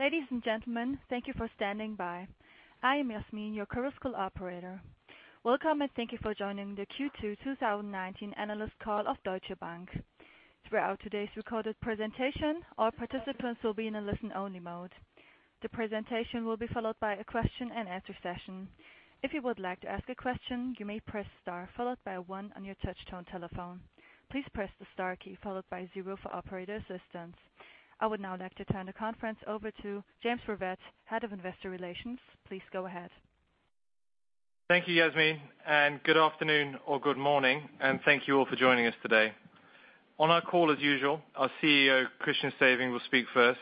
Ladies and gentlemen, thank you for standing by. I am Yasmin, your Chorus Call operator. Welcome, and thank you for joining the Q2 2019 analyst call of Deutsche Bank. Throughout today's recorded presentation, all participants will be in a listen-only mode. The presentation will be followed by a question-and-answer session. If you would like to ask a question, you may press star, followed by one on your touchtone telephone. Please press the star key followed by zero for operator assistance. I would now like to turn the conference over to James Rivett, Head of Investor Relations. Please go ahead. Thank you, Yasmin, and good afternoon or good morning, and thank you all for joining us today. On our call, as usual, our CEO, Christian Sewing, will speak first,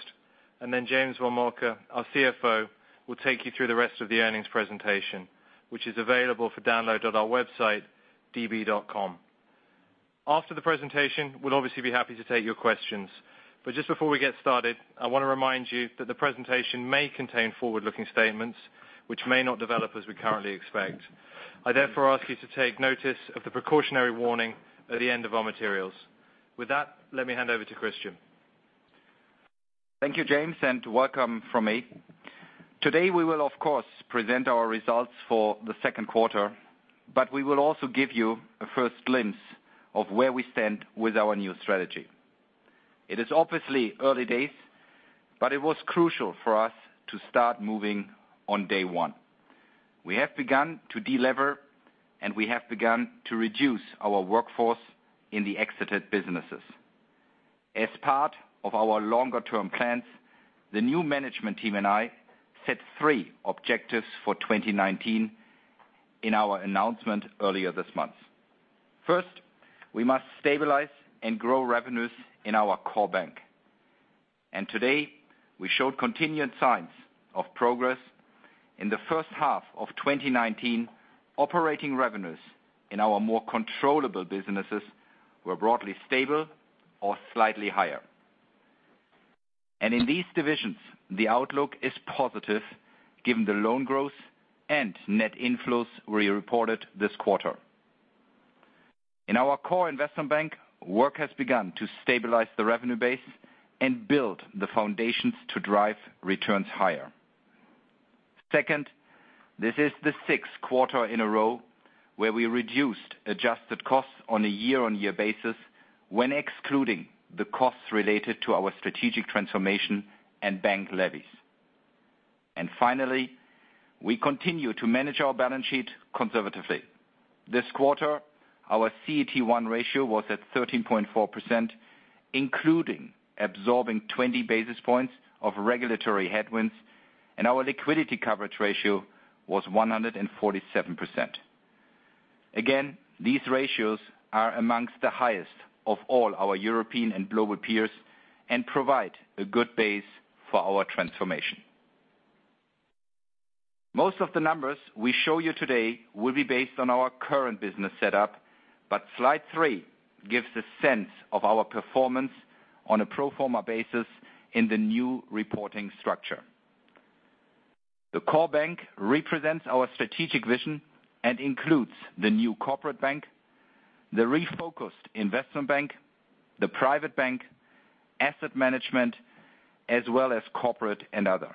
and then James von Moltke, our CFO, will take you through the rest of the earnings presentation, which is available for download on our website, db.com. After the presentation, we'll obviously be happy to take your questions. Just before we get started, I want to remind you that the presentation may contain forward-looking statements which may not develop as we currently expect. I therefore ask you to take notice of the precautionary warning at the end of our materials. With that, let me hand over to Christian. Thank you, James, and welcome from me. Today, we will of course present our results for the second quarter, but we will also give you a first glimpse of where we stand with our new strategy. It is obviously early days, but it was crucial for us to start moving on day one. We have begun to de-lever, and we have begun to reduce our workforce in the exited businesses. As part of our longer term plans, the new management team and I set three objectives for 2019 in our announcement earlier this month. First, we must stabilize and grow revenues in our core bank. Today, we showed continued signs of progress. In the first half of 2019, operating revenues in our more controllable businesses were broadly stable or slightly higher. In these divisions, the outlook is positive given the loan growth and net inflows we reported this quarter. In our core investment bank, work has begun to stabilize the revenue base and build the foundations to drive returns higher. Second, this is the sixth quarter in a row where we reduced adjusted costs on a year-on-year basis when excluding the costs related to our strategic transformation and bank levies. Finally, we continue to manage our balance sheet conservatively. This quarter, our CET1 ratio was at 13.4%, including absorbing 20 basis points of regulatory headwinds, and our liquidity coverage ratio was 147%. Again, these ratios are amongst the highest of all our European and global peers and provide a good base for our transformation. Most of the numbers we show you today will be based on our current business setup. Slide three gives a sense of our performance on a pro forma basis in the new reporting structure. The Core Bank represents our strategic vision and includes the new Corporate Bank, the refocused Investment Bank, the Private Bank, Asset Management, as well as Corporate and Other.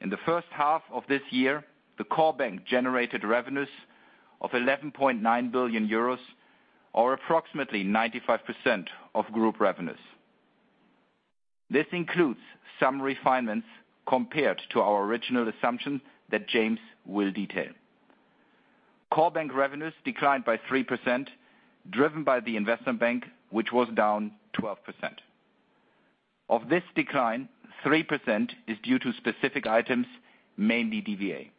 In the first half of this year, the Core Bank generated revenues of 11.9 billion euros, or approximately 95% of group revenues. This includes some refinements compared to our original assumption that James will detail. Core Bank revenues declined by 3%, driven by the Investment Bank, which was down 12%. Of this decline, 3% is due to specific items, mainly DVA.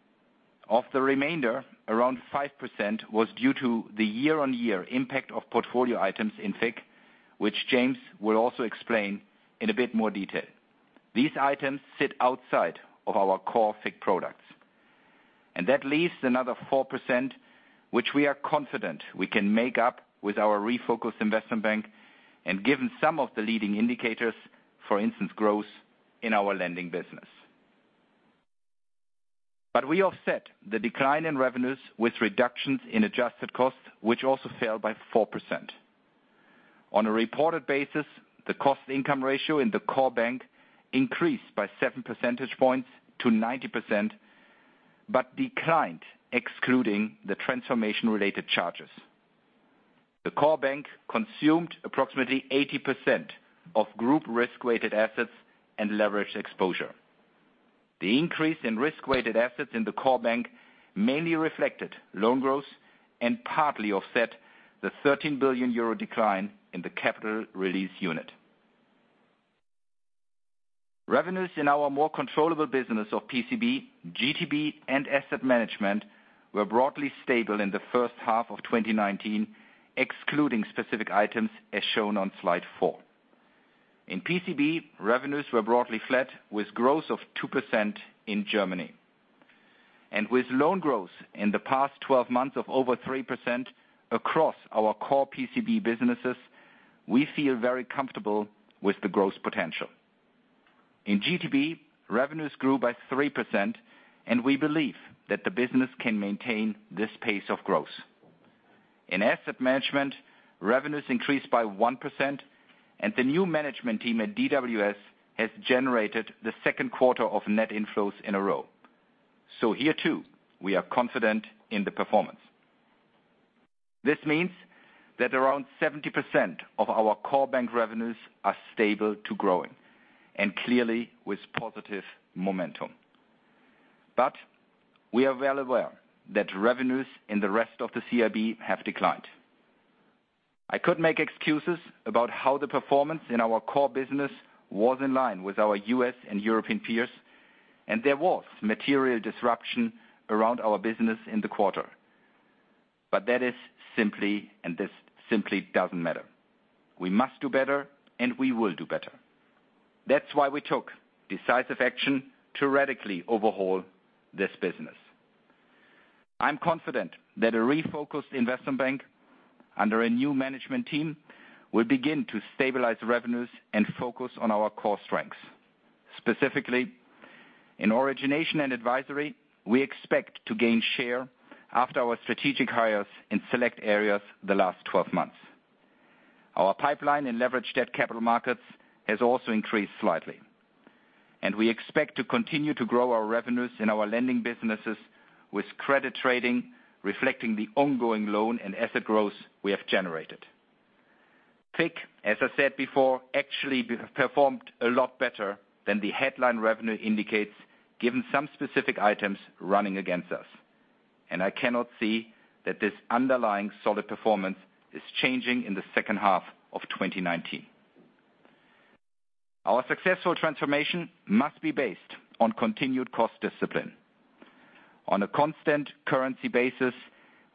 Of the remainder, around 5% was due to the year-on-year impact of portfolio items in FIC, which James will also explain in a bit more detail. These items sit outside of our core FIC products. That leaves another 4%, which we are confident we can make up with our refocused investment bank, and given some of the leading indicators, for instance, growth in our lending business. We offset the decline in revenues with reductions in adjusted costs, which also fell by 4%. On a reported basis, the cost income ratio in the core bank increased by seven percentage points to 90%, but declined excluding the transformation-related charges. The core bank consumed approximately 80% of group risk-weighted assets and leverage exposure. The increase in risk-weighted assets in the core bank mainly reflected loan growth and partly offset the 13 billion euro decline in the capital release unit. Revenues in our more controllable business of PCB, GTB, and asset management were broadly stable in the first half of 2019, excluding specific items as shown on slide four. In PCB, revenues were broadly flat with growth of 2% in Germany. With loan growth in the past 12 months of over 3% across our core PCB businesses, we feel very comfortable with the growth potential. In GTB, revenues grew by 3%, and we believe that the business can maintain this pace of growth. In asset management, revenues increased by 1%, and the new management team at DWS has generated the second quarter of net inflows in a row. Here too, we are confident in the performance. This means that around 70% of our core bank revenues are stable to growing and clearly with positive momentum. We are well aware that revenues in the rest of the CIB have declined. I could make excuses about how the performance in our core business was in line with our U.S. and European peers, and there was material disruption around our business in the quarter. This simply doesn't matter. We must do better, and we will do better. That's why we took decisive action to radically overhaul this business. I'm confident that a refocused investment bank under a new management team will begin to stabilize revenues and focus on our core strengths. Specifically, in origination and advisory, we expect to gain share after our strategic hires in select areas the last 12 months. Our pipeline in leveraged debt capital markets has also increased slightly, and we expect to continue to grow our revenues in our lending businesses with credit trading reflecting the ongoing loan and asset growth we have generated. FICC, as I said before, actually performed a lot better than the headline revenue indicates given some specific items running against us, and I cannot see that this underlying solid performance is changing in the second half of 2019. Our successful transformation must be based on continued cost discipline. On a constant currency basis,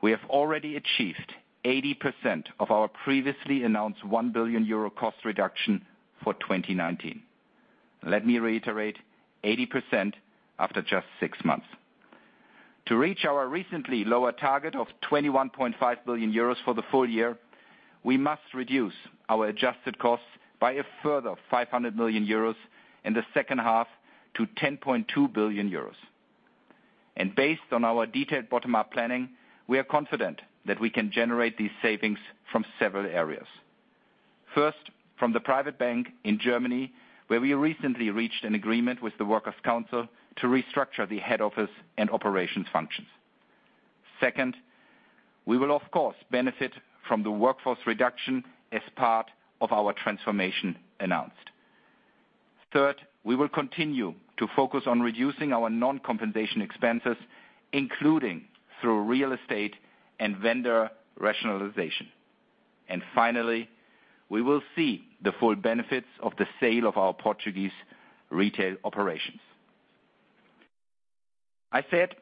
we have already achieved 80% of our previously announced 1 billion euro cost reduction for 2019. Let me reiterate, 80% after just six months. To reach our recently lower target of 21.5 billion euros for the full year, we must reduce our adjusted costs by a further 500 million euros in the second half to 10.2 billion euros. Based on our detailed bottom-up planning, we are confident that we can generate these savings from several areas. First, from the private bank in Germany, where we recently reached an agreement with the Works Council to restructure the head office and operations functions. Second, we will of course, benefit from the workforce reduction as part of our transformation announced. Third, we will continue to focus on reducing our non-compensation expenses, including through real estate and vendor rationalization. Finally, we will see the full benefits of the sale of our Portuguese retail operations. I said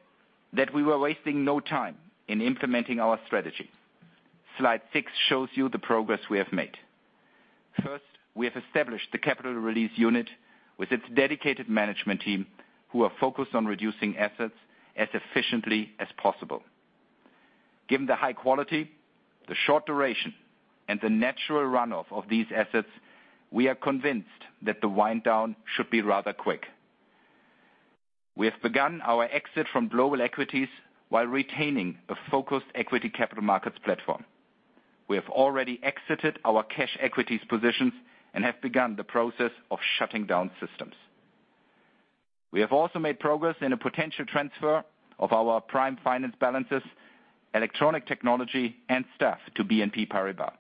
that we were wasting no time in implementing our strategy. Slide six shows you the progress we have made. First, we have established the Capital Release Unit with its dedicated management team who are focused on reducing assets as efficiently as possible. Given the high quality, the short duration, and the natural runoff of these assets, we are convinced that the wind down should be rather quick. We have begun our exit from global equities while retaining a focused equity capital markets platform. We have already exited our cash equities positions and have begun the process of shutting down systems. We have also made progress in a potential transfer of our prime finance balances, electronic technology, and staff to BNP Paribas.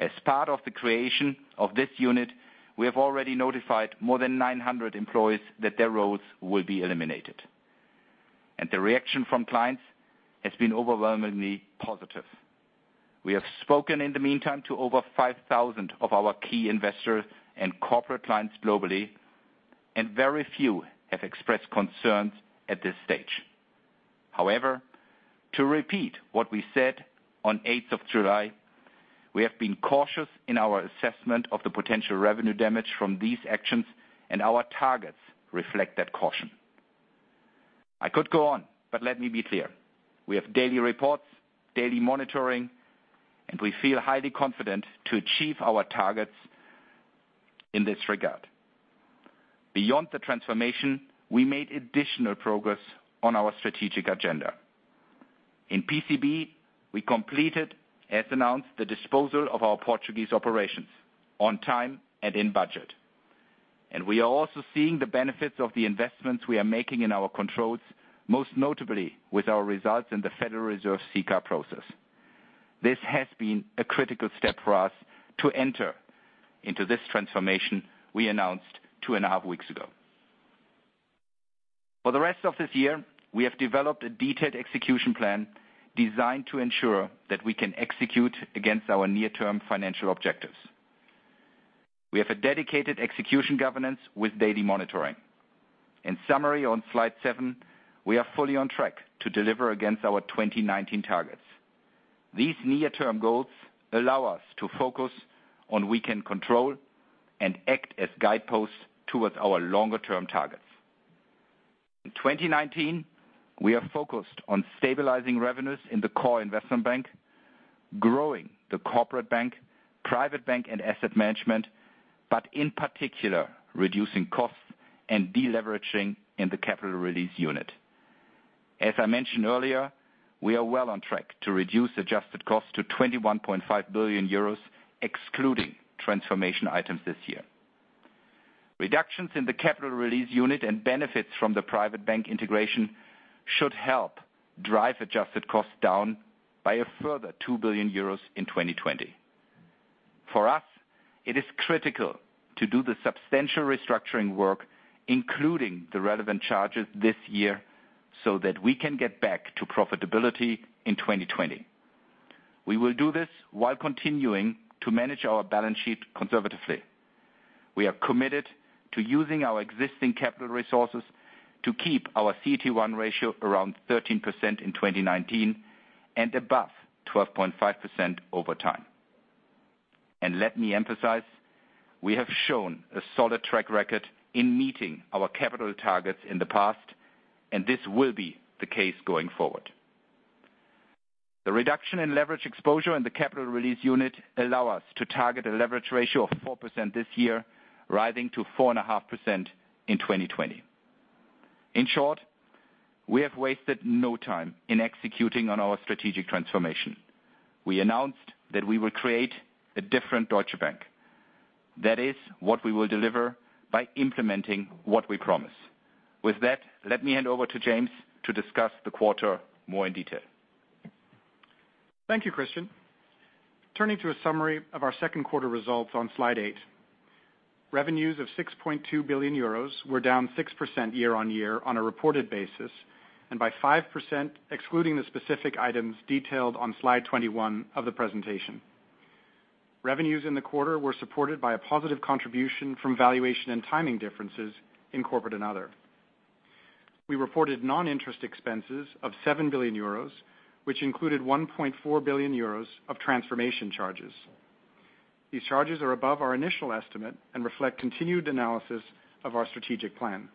As part of the creation of this unit, we have already notified more than 900 employees that their roles will be eliminated. The reaction from clients has been overwhelmingly positive. We have spoken in the meantime to over 5,000 of our key investors and corporate clients globally, and very few have expressed concerns at this stage. However, to repeat what we said on 8th of July, we have been cautious in our assessment of the potential revenue damage from these actions, and our targets reflect that caution. I could go on. Let me be clear. We have daily reports, daily monitoring, and we feel highly confident to achieve our targets in this regard. Beyond the transformation, we made additional progress on our strategic agenda. In PCB, we completed, as announced, the disposal of our Portuguese operations on time and in budget. We are also seeing the benefits of the investments we are making in our controls, most notably with our results in the Federal Reserve CCAR process. This has been a critical step for us to enter into this transformation we announced two and a half weeks ago. For the rest of this year, we have developed a detailed execution plan designed to ensure that we can execute against our near-term financial objectives. We have a dedicated execution governance with daily monitoring. In summary on slide seven, we are fully on track to deliver against our 2019 targets. These near-term goals allow us to focus on we can control and act as guideposts towards our longer-term targets. In 2019, we are focused on stabilizing revenues in the core investment bank, growing the Corporate Bank Private Bank and Asset Management, in particular, reducing costs and deleveraging in the Capital Release Unit. As I mentioned earlier, we are well on track to reduce adjusted costs to 21.5 billion euros, excluding transformation items this year. Reductions in the Capital Release Unit and benefits from the Private Bank integration should help drive adjusted costs down by a further 2 billion euros in 2020. For us, it is critical to do the substantial restructuring work, including the relevant charges this year, that we can get back to profitability in 2020. We will do this while continuing to manage our balance sheet conservatively. We are committed to using our existing capital resources to keep our CET1 ratio around 13% in 2019 and above 12.5% over time. Let me emphasize, we have shown a solid track record in meeting our capital targets in the past, and this will be the case going forward. The reduction in leverage exposure and the Capital Release Unit allow us to target a leverage ratio of 4% this year, rising to 4.5% in 2020. In short, we have wasted no time in executing on our strategic transformation. We announced that we will create a different Deutsche Bank. That is what we will deliver by implementing what we promise. With that, let me hand over to James to discuss the quarter more in detail. Thank you, Christian. Turning to a summary of our second quarter results on slide eight. Revenues of 6.2 billion euros were down 6% year-on-year on a reported basis, and by 5%, excluding the specific items detailed on slide 21 of the presentation. Revenues in the quarter were supported by a positive contribution from valuation and timing differences in corporate and other. We reported non-interest expenses of 7 billion euros, which included 1.4 billion euros of transformation charges. These charges are above our initial estimate and reflect continued analysis of our strategic plan.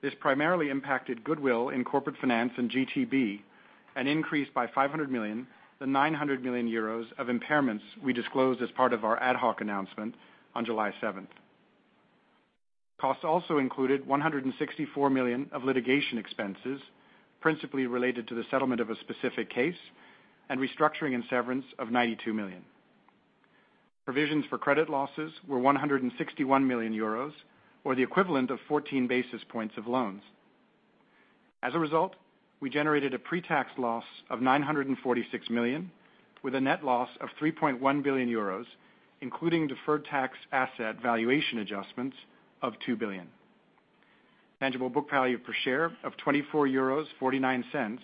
This primarily impacted goodwill in corporate finance and GTB, and increased by 500 million, the 900 million euros of impairments we disclosed as part of our ad hoc announcement on July seventh. Costs also included 164 million of litigation expenses, principally related to the settlement of a specific case, and restructuring and severance of 92 million. Provisions for credit losses were 161 million euros, or the equivalent of 14 basis points of loans. We generated a pre-tax loss of 946 million, with a net loss of 3.1 billion euros, including DTA valuation adjustments of 2 billion. Tangible book value per share of 24.49 euros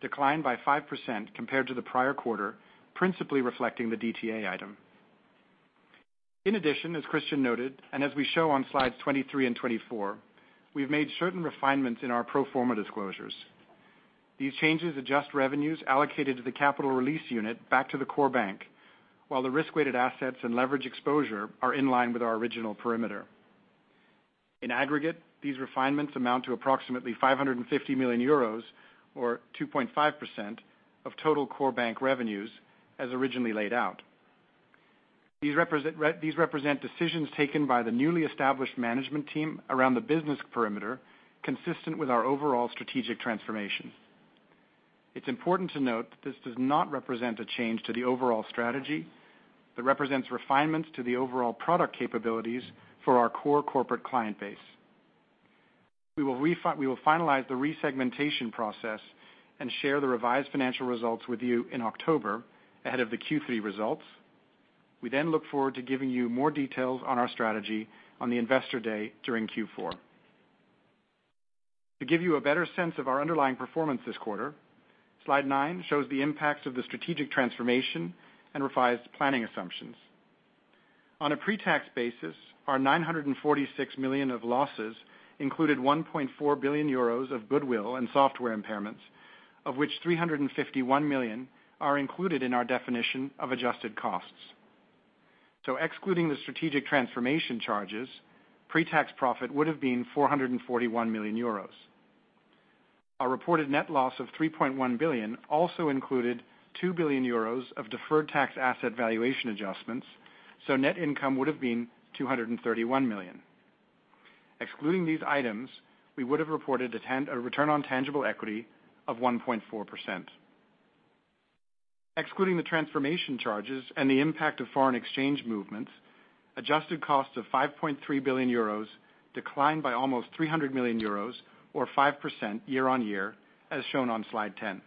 declined by 5% compared to the prior quarter, principally reflecting the DTA item. As Christian noted, and as we show on slides 23 and 24, we've made certain refinements in our pro forma disclosures. These changes adjust revenues allocated to the Capital Release Unit back to the core bank, while the RWA and leverage exposure are in line with our original perimeter. These refinements amount to approximately 550 million euros, or 2.5% of total Core Bank revenues as originally laid out. These represent decisions taken by the newly established management team around the business perimeter, consistent with our overall strategic transformation. It is important to note that this does not represent a change to the overall strategy. It represents refinements to the overall product capabilities for our core corporate client base. We will finalize the resegmentation process and share the revised financial results with you in October, ahead of the Q3 results. We look forward to giving you more details on our strategy on the investor day during Q4. To give you a better sense of our underlying performance this quarter, slide nine shows the impacts of the strategic transformation and revised planning assumptions. On a pre-tax basis, our 946 million of losses included 1.4 billion euros of goodwill and software impairments, of which 351 million are included in our definition of adjusted costs. Excluding the strategic transformation charges, pre-tax profit would have been 441 million euros. Our reported net loss of 3.1 billion also included 2 billion euros of deferred tax asset valuation adjustments, net income would have been 231 million. Excluding these items, we would have reported a return on tangible equity of 1.4%. Excluding the transformation charges and the impact of foreign exchange movements, adjusted costs of 5.3 billion euros declined by almost 300 million euros, or 5% year-over-year, as shown on slide 10.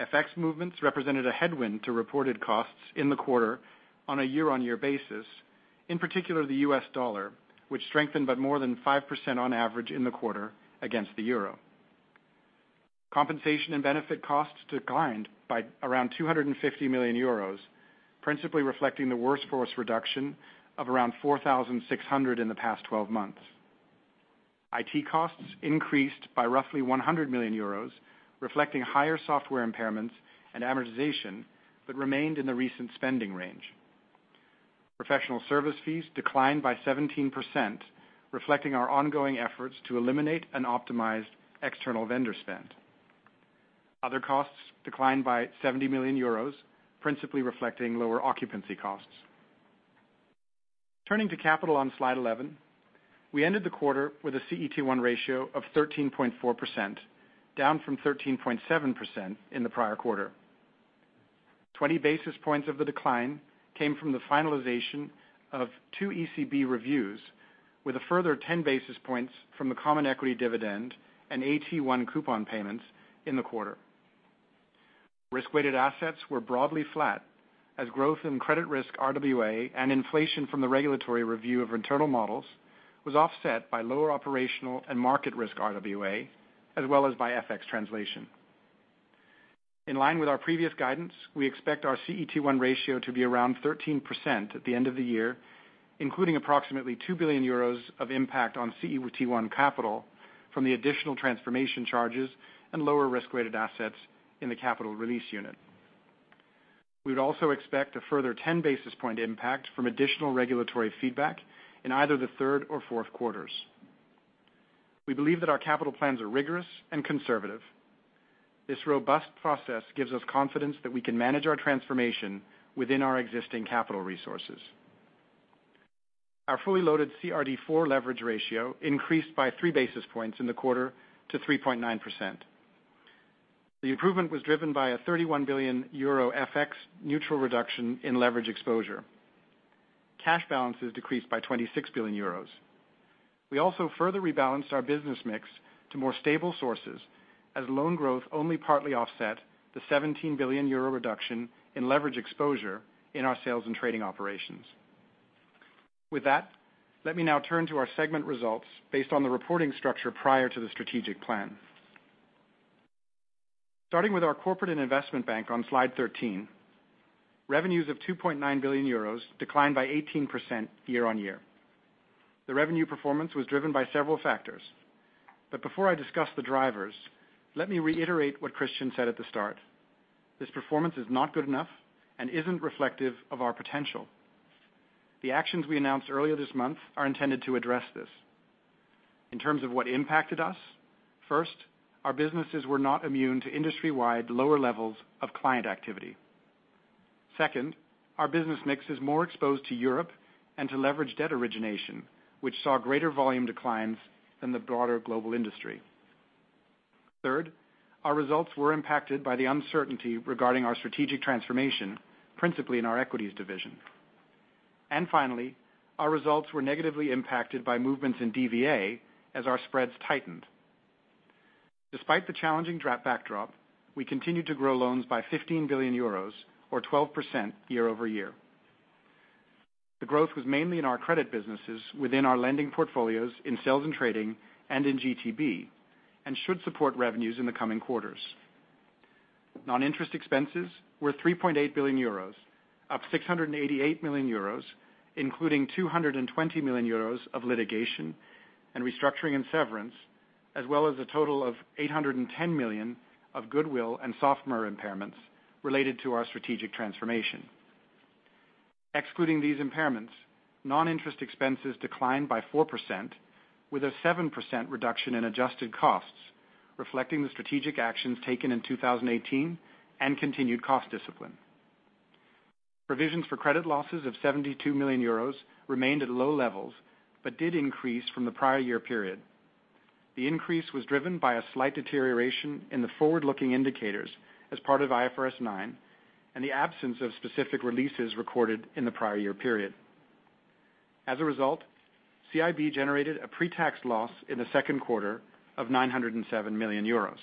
FX movements represented a headwind to reported costs in the quarter on a year-over-year basis, in particular the US dollar, which strengthened by more than 5% on average in the quarter against the euro. Compensation and benefit costs declined by around 250 million euros, principally reflecting the workforce reduction of around 4,600 in the past 12 months. IT costs increased by roughly 100 million euros, reflecting higher software impairments and amortization, but remained in the recent spending range. Professional service fees declined by 17%, reflecting our ongoing efforts to eliminate and optimize external vendor spend. Other costs declined by 70 million euros, principally reflecting lower occupancy costs. Turning to capital on slide 11. We ended the quarter with a CET1 ratio of 13.4%, down from 13.7% in the prior quarter. 20 basis points of the decline came from the finalization of two ECB reviews, with a further 10 basis points from the common equity dividend and AT1 coupon payments in the quarter. Risk-weighted assets were broadly flat as growth in credit risk RWA and inflation from the regulatory review of internal models was offset by lower operational and market risk RWA, as well as by FX translation. In line with our previous guidance, we expect our CET1 ratio to be around 13% at the end of the year, including approximately 2 billion euros of impact on CET1 capital from the additional transformation charges and lower risk-weighted assets in the capital release unit. We would also expect a further 10 basis point impact from additional regulatory feedback in either the third or fourth quarters. We believe that our capital plans are rigorous and conservative. This robust process gives us confidence that we can manage our transformation within our existing capital resources. Our fully loaded CRD4 leverage ratio increased by three basis points in the quarter to 3.9%. The improvement was driven by a 31 billion euro FX neutral reduction in leverage exposure. Cash balances decreased by 26 billion euros. We also further rebalanced our business mix to more stable sources as loan growth only partly offset the 17 billion euro reduction in leverage exposure in our sales and trading operations. Let me now turn to our segment results based on the reporting structure prior to the strategic plan. Starting with our Corporate and Investment Bank on slide 13, revenues of 2.9 billion euros declined by 18% year-on-year. The revenue performance was driven by several factors. Before I discuss the drivers, let me reiterate what Christian said at the start. This performance is not good enough and isn't reflective of our potential. The actions we announced earlier this month are intended to address this. In terms of what impacted us, first, our businesses were not immune to industry-wide lower levels of client activity. Second, our business mix is more exposed to Europe and to leverage debt origination, which saw greater volume declines than the broader global industry. Third, our results were impacted by the uncertainty regarding our strategic transformation, principally in our equities division. Finally, our results were negatively impacted by movements in DVA as our spreads tightened. Despite the challenging backdrop, we continued to grow loans by 15 billion euros or 12% year-over-year. The growth was mainly in our credit businesses within our lending portfolios in sales and trading and in GTB, and should support revenues in the coming quarters. Non-interest expenses were 3.8 billion euros, up 688 million euros, including 220 million euros of litigation and restructuring and severance, as well as a total of 810 million of goodwill and software impairments related to our strategic transformation. Excluding these impairments, non-interest expenses declined by 4%, with a 7% reduction in adjusted costs, reflecting the strategic actions taken in 2018 and continued cost discipline. Provisions for credit losses of 72 million euros remained at low levels, but did increase from the prior year period. The increase was driven by a slight deterioration in the forward-looking indicators as part of IFRS 9 and the absence of specific releases recorded in the prior year period. As a result, CIB generated a pre-tax loss in the second quarter of 907 million euros.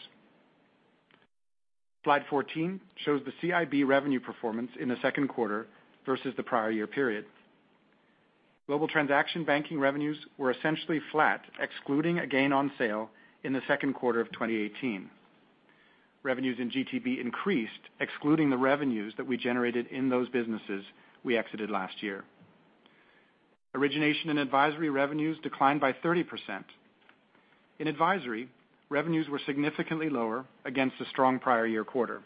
Slide 14 shows the CIB revenue performance in the second quarter versus the prior year period. Global transaction banking revenues were essentially flat, excluding a gain on sale in the second quarter of 2018. Revenues in GTB increased, excluding the revenues that we generated in those businesses we exited last year. Origination and advisory revenues declined by 30%. In advisory, revenues were significantly lower against the strong prior year quarter.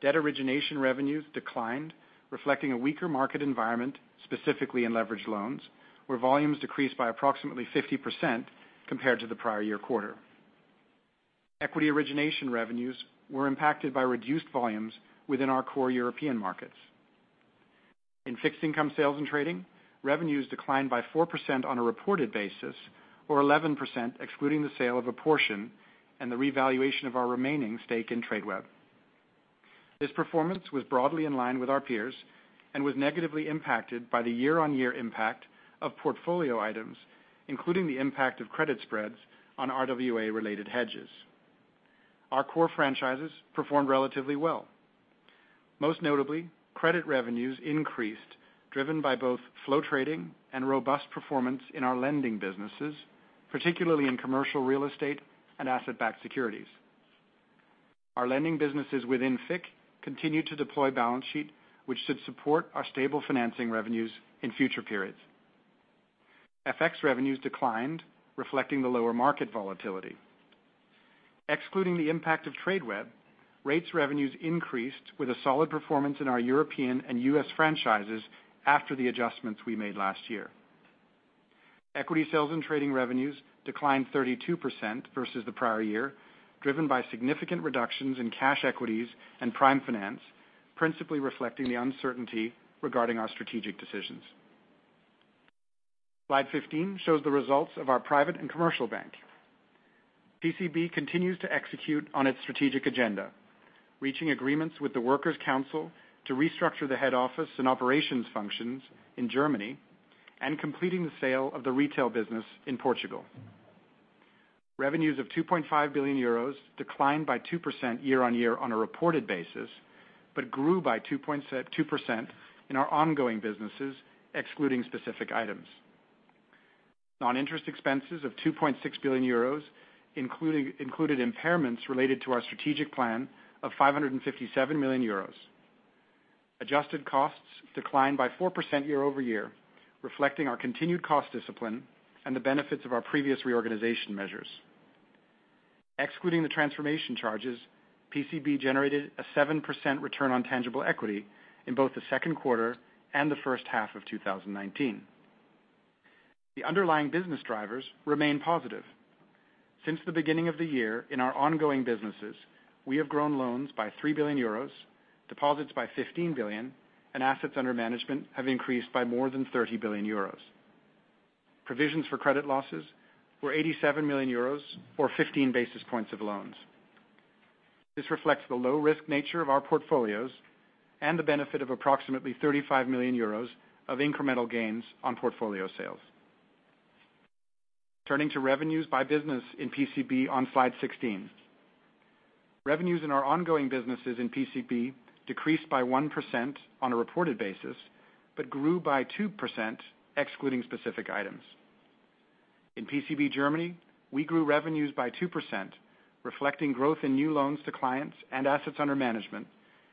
Debt origination revenues declined, reflecting a weaker market environment, specifically in leveraged loans, where volumes decreased by approximately 50% compared to the prior year quarter. Equity origination revenues were impacted by reduced volumes within our core European markets. In fixed income sales and trading, revenues declined by 4% on a reported basis, or 11% excluding the sale of a portion and the revaluation of our remaining stake in Tradeweb. This performance was broadly in line with our peers and was negatively impacted by the year-on-year impact of portfolio items, including the impact of credit spreads on RWA-related hedges. Our core franchises performed relatively well. Most notably, credit revenues increased, driven by both flow trading and robust performance in our lending businesses, particularly in commercial real estate and asset-backed securities. Our lending businesses within FIC continue to deploy balance sheet, which should support our stable financing revenues in future periods. FX revenues declined, reflecting the lower market volatility. Excluding the impact of Tradeweb, rates revenues increased with a solid performance in our European and U.S. franchises after the adjustments we made last year. Equity sales and trading revenues declined 32% versus the prior year, driven by significant reductions in cash equities and prime finance, principally reflecting the uncertainty regarding our strategic decisions. Slide 15 shows the results of our private and commercial bank. PCB continues to execute on its strategic agenda, reaching agreements with the Works Council to restructure the head office and operations functions in Germany and completing the sale of the retail business in Portugal. Revenues of 2.5 billion euros declined by 2% year-on-year on a reported basis, grew by 2.2% in our ongoing businesses, excluding specific items. Non-interest expenses of 2.6 billion euros included impairments related to our strategic plan of 557 million euros. Adjusted costs declined by 4% year-over-year, reflecting our continued cost discipline and the benefits of our previous reorganization measures. Excluding the transformation charges, PCB generated a 7% return on tangible equity in both the second quarter and the first half of 2019. The underlying business drivers remain positive. Since the beginning of the year, in our ongoing businesses, we have grown loans by 3 billion euros, deposits by 15 billion, and assets under management have increased by more than 30 billion euros. Provisions for credit losses were 87 million euros, or 15 basis points of loans. This reflects the low-risk nature of our portfolios and the benefit of approximately 35 million euros of incremental gains on portfolio sales. Turning to revenues by business in PCB on Slide 16. Revenues in our ongoing businesses in PCB decreased by 1% on a reported basis, but grew by 2%, excluding specific items. In PCB Germany, we grew revenues by 2%, reflecting growth in new loans to clients and assets under management,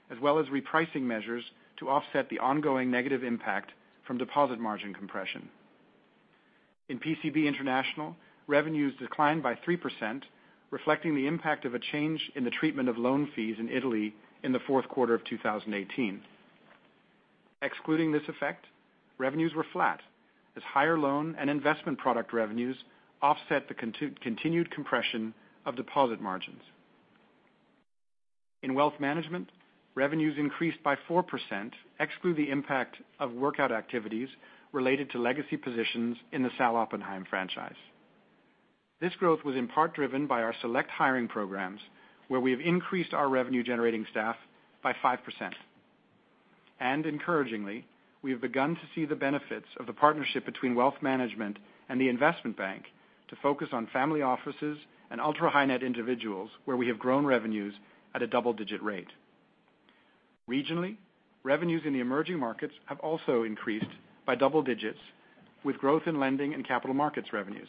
as well as repricing measures to offset the ongoing negative impact from deposit margin compression. In PCB International, revenues declined by 3%, reflecting the impact of a change in the treatment of loan fees in Italy in the fourth quarter of 2018. Excluding this effect, revenues were flat as higher loan and investment product revenues offset the continued compression of deposit margins. In wealth management, revenues increased by 4%, exclude the impact of workout activities related to legacy positions in the Sal. Oppenheim franchise. This growth was in part driven by our select hiring programs, where we have increased our revenue-generating staff by 5%. Encouragingly, we have begun to see the benefits of the partnership between wealth management and the investment bank to focus on family offices and ultra-high-net individuals where we have grown revenues at a double-digit rate. Regionally, revenues in the emerging markets have also increased by double digits, with growth in lending and capital markets revenues.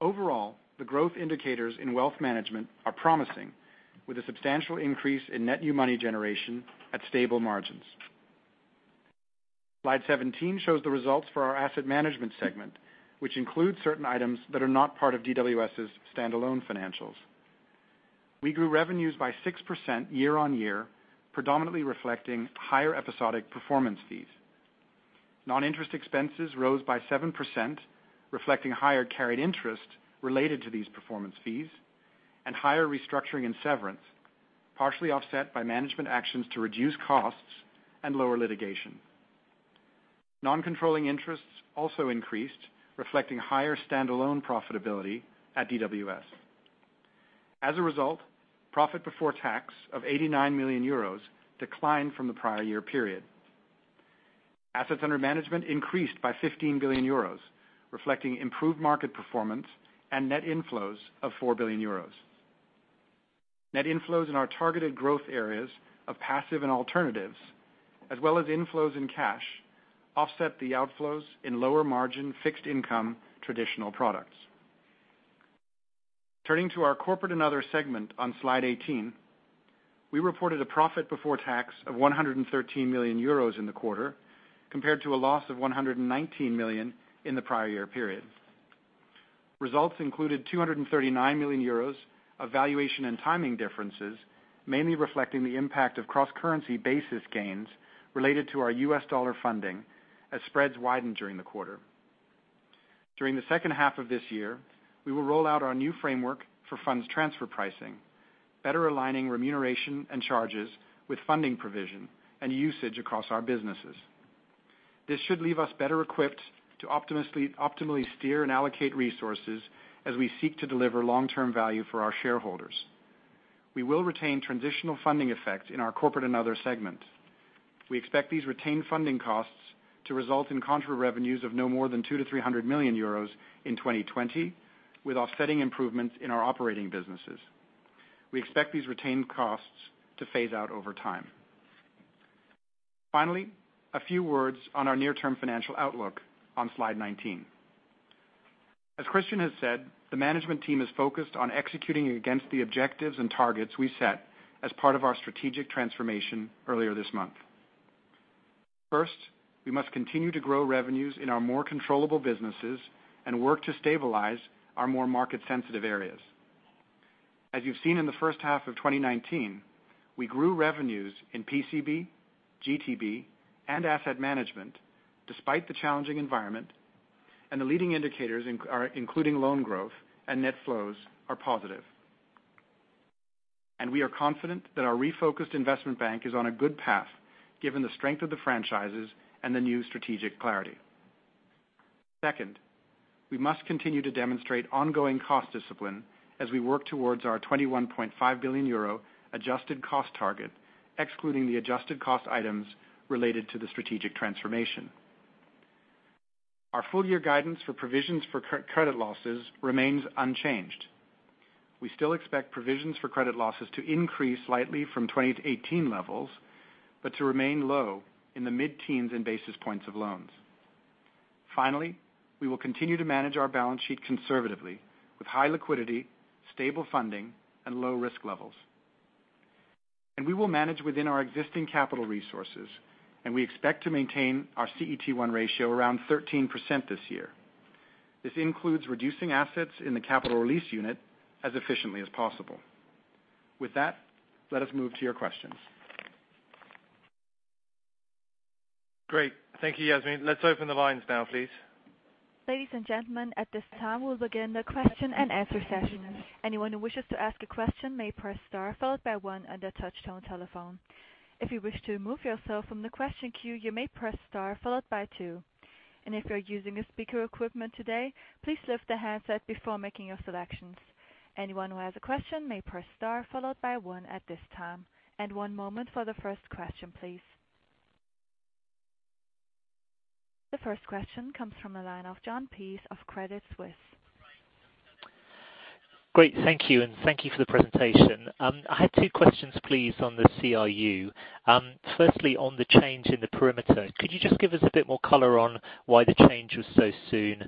Overall, the growth indicators in wealth management are promising, with a substantial increase in net new money generation at stable margins. Slide 17 shows the results for our asset management segment, which includes certain items that are not part of DWS's standalone financials. We grew revenues by 6% year-on-year, predominantly reflecting higher episodic performance fees. Non-interest expenses rose by 7%, reflecting higher carried interest related to these performance fees and higher restructuring and severance, partially offset by management actions to reduce costs and lower litigation. Non-controlling interests also increased, reflecting higher standalone profitability at DWS. As a result, profit before tax of 89 million euros declined from the prior year period. Assets under management increased by 15 billion euros, reflecting improved market performance and net inflows of 4 billion euros. Net inflows in our targeted growth areas of passive and alternatives, as well as inflows in cash, offset the outflows in lower margin fixed income traditional products. Turning to our corporate and other segment on Slide 18, we reported a profit before tax of 113 million euros in the quarter, compared to a loss of 119 million in the prior year period. Results included 239 million euros of valuation and timing differences, mainly reflecting the impact of cross-currency basis gains related to our US dollar funding as spreads widened during the quarter. During the second half of this year, we will roll out our new framework for funds transfer pricing, better aligning remuneration and charges with funding provision and usage across our businesses. This should leave us better equipped to optimally steer and allocate resources as we seek to deliver long-term value for our shareholders. We will retain transitional funding effects in our corporate and other segment. We expect these retained funding costs to result in contra revenues of no more than 200 million-300 million euros in 2020, with offsetting improvements in our operating businesses. We expect these retained costs to phase out over time. Finally, a few words on our near-term financial outlook on Slide 19. As Christian has said, the management team is focused on executing against the objectives and targets we set as part of our strategic transformation earlier this month. First, we must continue to grow revenues in our more controllable businesses and work to stabilize our more market-sensitive areas. As you've seen in the first half of 2019, we grew revenues in PCB, GTB, and asset management despite the challenging environment, and the leading indicators including loan growth and net flows are positive. We are confident that our refocused investment bank is on a good path given the strength of the franchises and the new strategic clarity. Second, we must continue to demonstrate ongoing cost discipline as we work towards our 21.5 billion euro adjusted cost target, excluding the adjusted cost items related to the strategic transformation. Our full-year guidance for provisions for credit losses remains unchanged. We still expect provisions for credit losses to increase slightly from 2018 levels, but to remain low in the mid-teens in basis points of loans. We will continue to manage our balance sheet conservatively with high liquidity, stable funding, and low risk levels. We will manage within our existing capital resources, and we expect to maintain our CET1 ratio around 13% this year. This includes reducing assets in the capital release unit as efficiently as possible. With that, let us move to your questions. Great. Thank you, Yasmin. Let's open the lines now, please. Ladies and gentlemen, at this time, we'll begin the question-and-answer session. Anyone who wishes to ask a question may press star followed by one on their touch-tone telephone. If you wish to remove yourself from the question queue, you may press star followed by two. If you're using speaker equipment today, please lift the handset before making your selections. Anyone who has a question may press star followed by one at this time. One moment for the first question, please. The first question comes from the line of Jon Peace of Credit Suisse. Great, thank you. Thank you for the presentation. I had two questions please on the CRU. Firstly, on the change in the perimeter, could you just give us a bit more color on why the change was so soon?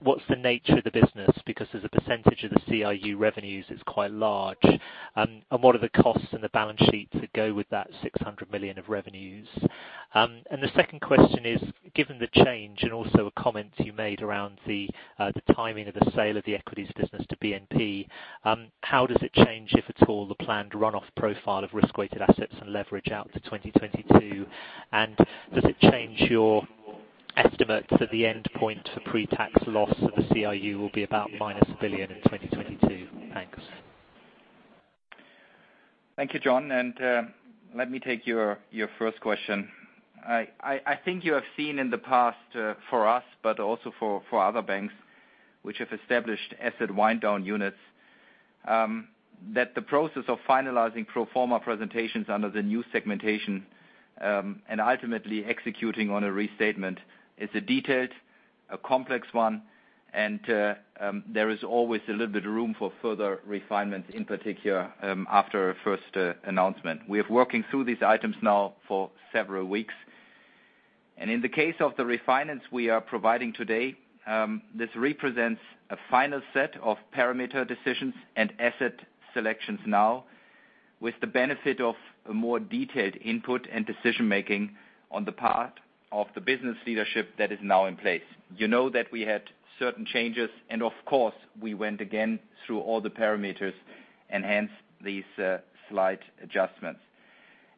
What's the nature of the business? As a percentage of the CRU revenues it's quite large. What are the costs in the balance sheet to go with that 600 million of revenues? The second question is, given the change and also a comment you made around the timing of the sale of the equities business to BNP, how does it change, if at all, the planned runoff profile of risk-weighted assets and leverage out to 2022? Does it change your estimates that the end point for pre-tax loss of the CRU will be about minus 1 billion in 2022? Thanks. Thank you, Jon. Let me take your first question. I think you have seen in the past for us, but also for other banks which have established asset wind-down units, that the process of finalizing pro forma presentations under the new segmentation, and ultimately executing on a restatement is a detailed, a complex one, and there is always a little bit of room for further refinements in particular, after a first announcement. We are working through these items now for several weeks. In the case of the refinance we are providing today, this represents a final set of parameter decisions and asset selections now with the benefit of a more detailed input and decision-making on the part of the business leadership that is now in place. You know that we had certain changes and of course we went again through all the parameters and hence these slight adjustments.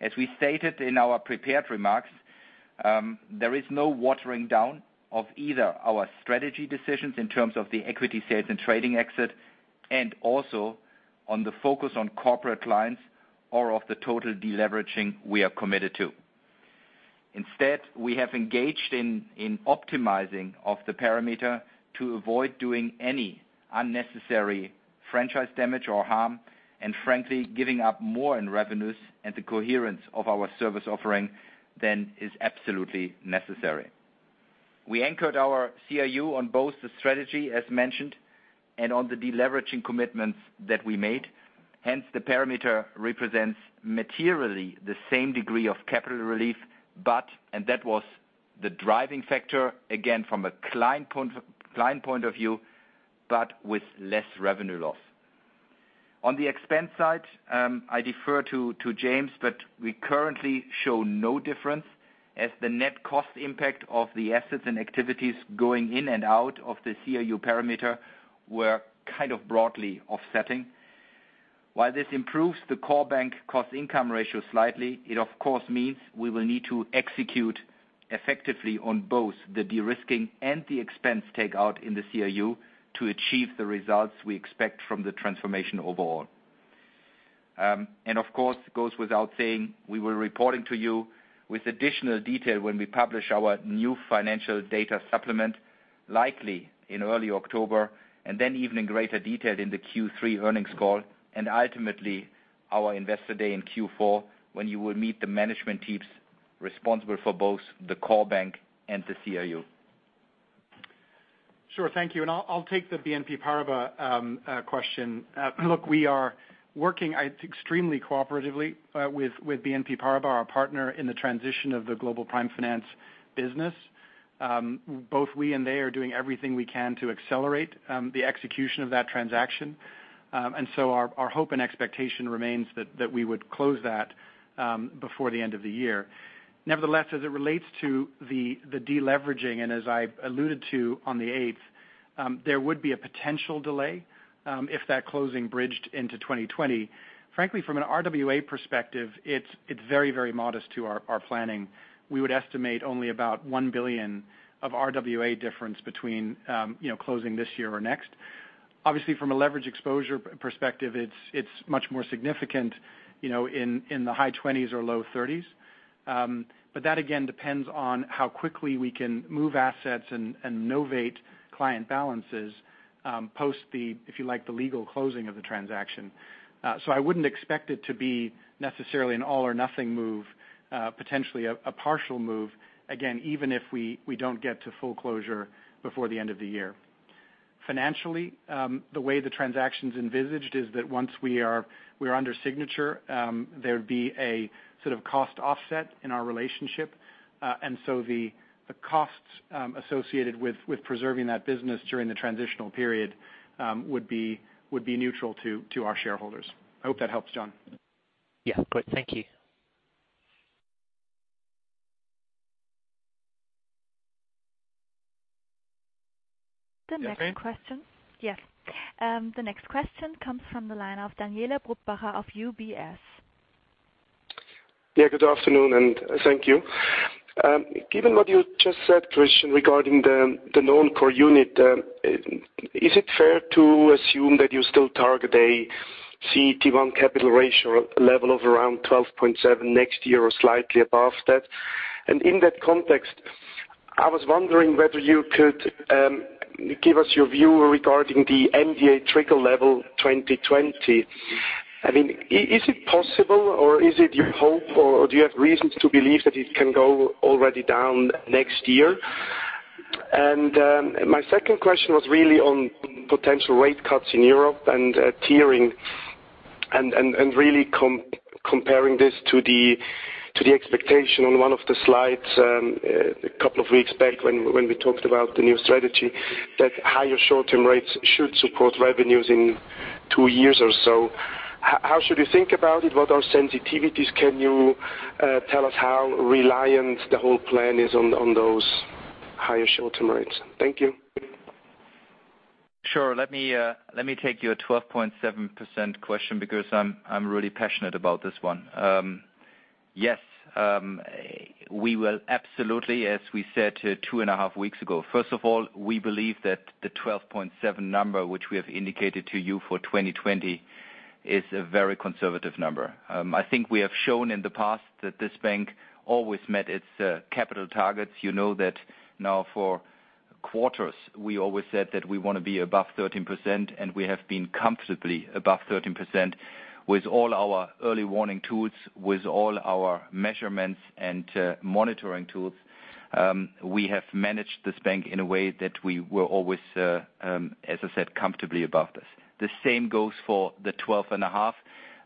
As we stated in our prepared remarks, there is no watering down of either our strategy decisions in terms of the equity sales and trading exit, and also on the focus on corporate clients or of the total de-leveraging we are committed to. Instead, we have engaged in optimizing of the parameter to avoid doing any unnecessary franchise damage or harm, and frankly giving up more in revenues and the coherence of our service offering than is absolutely necessary. We anchored our CRU on both the strategy as mentioned, and on the de-leveraging commitments that we made. Hence the parameter represents materially the same degree of capital relief, but, and that was the driving factor, again from a client point of view, but with less revenue loss. On the expense side, I defer to James, but we currently show no difference as the net cost impact of the assets and activities going in and out of the CRU parameter were kind of broadly offsetting. While this improves the core bank cost-income ratio slightly, it of course means we will need to execute effectively on both the de-risking and the expense takeout in the CRU to achieve the results we expect from the transformation overall. Of course, it goes without saying, we will be reporting to you with additional detail when we publish our new financial data supplement likely in early October, and then even in greater detail in the Q3 earnings call, and ultimately our investor day in Q4 when you will meet the management teams responsible for both the core bank and the CRU. Sure, thank you. I'll take the BNP Paribas question. Look, we are working extremely cooperatively with BNP Paribas, our partner in the transition of the global prime finance business. Both we and they are doing everything we can to accelerate the execution of that transaction. Our hope and expectation remains that we would close that before the end of the year. Nevertheless, as it relates to the deleveraging, as I alluded to on the eighth, there would be a potential delay if that closing bridged into 2020. Frankly, from an RWA perspective, it's very modest to our planning. We would estimate only about 1 billion of RWA difference between closing this year or next. Obviously, from a leverage exposure perspective, it's much more significant, in the high 20s or low 30s. That again depends on how quickly we can move assets and novate client balances post the, if you like, the legal closing of the transaction. I wouldn't expect it to be necessarily an all or nothing move, potentially a partial move, again, even if we don't get to full closure before the end of the year. Financially, the way the transaction's envisaged is that once we are under signature, there'd be a sort of cost offset in our relationship. The costs associated with preserving that business during the transitional period would be neutral to our shareholders. I hope that helps, Jon. Yeah, great. Thank you. The next question. Yasmin? Yes. The next question comes from the line of Daniele Brupbacher of UBS. Yeah. Good afternoon, thank you. Given what you just said, Christian, regarding the known per unit, is it fair to assume that you still target a CET1 capital ratio level of around 12.7 next year or slightly above that? In that context, I was wondering whether you could give us your view regarding the MDA trigger level 2020. Is it possible or is it you hope or do you have reasons to believe that it can go already down next year? My second question was really on potential rate cuts in Europe and tiering and really comparing this to the expectation on one of the slides a couple of weeks back when we talked about the new strategy, that higher short-term rates should support revenues in two years or so. How should we think about it? What are sensitivities? Can you tell us how reliant the whole plan is on those higher short-term rates? Thank you. Sure. Let me take your 12.7% question because I'm really passionate about this one. Yes. We will absolutely, as we said two and a half weeks ago. First of all, we believe that the 12.7 number, which we have indicated to you for 2020, is a very conservative number. I think we have shown in the past that this bank always met its capital targets. You know that now for quarters, we always said that we want to be above 13%, and we have been comfortably above 13% with all our early warning tools, with all our measurements and monitoring tools. We have managed this bank in a way that we were always, as I said, comfortably above this. The same goes for the 12 and a half.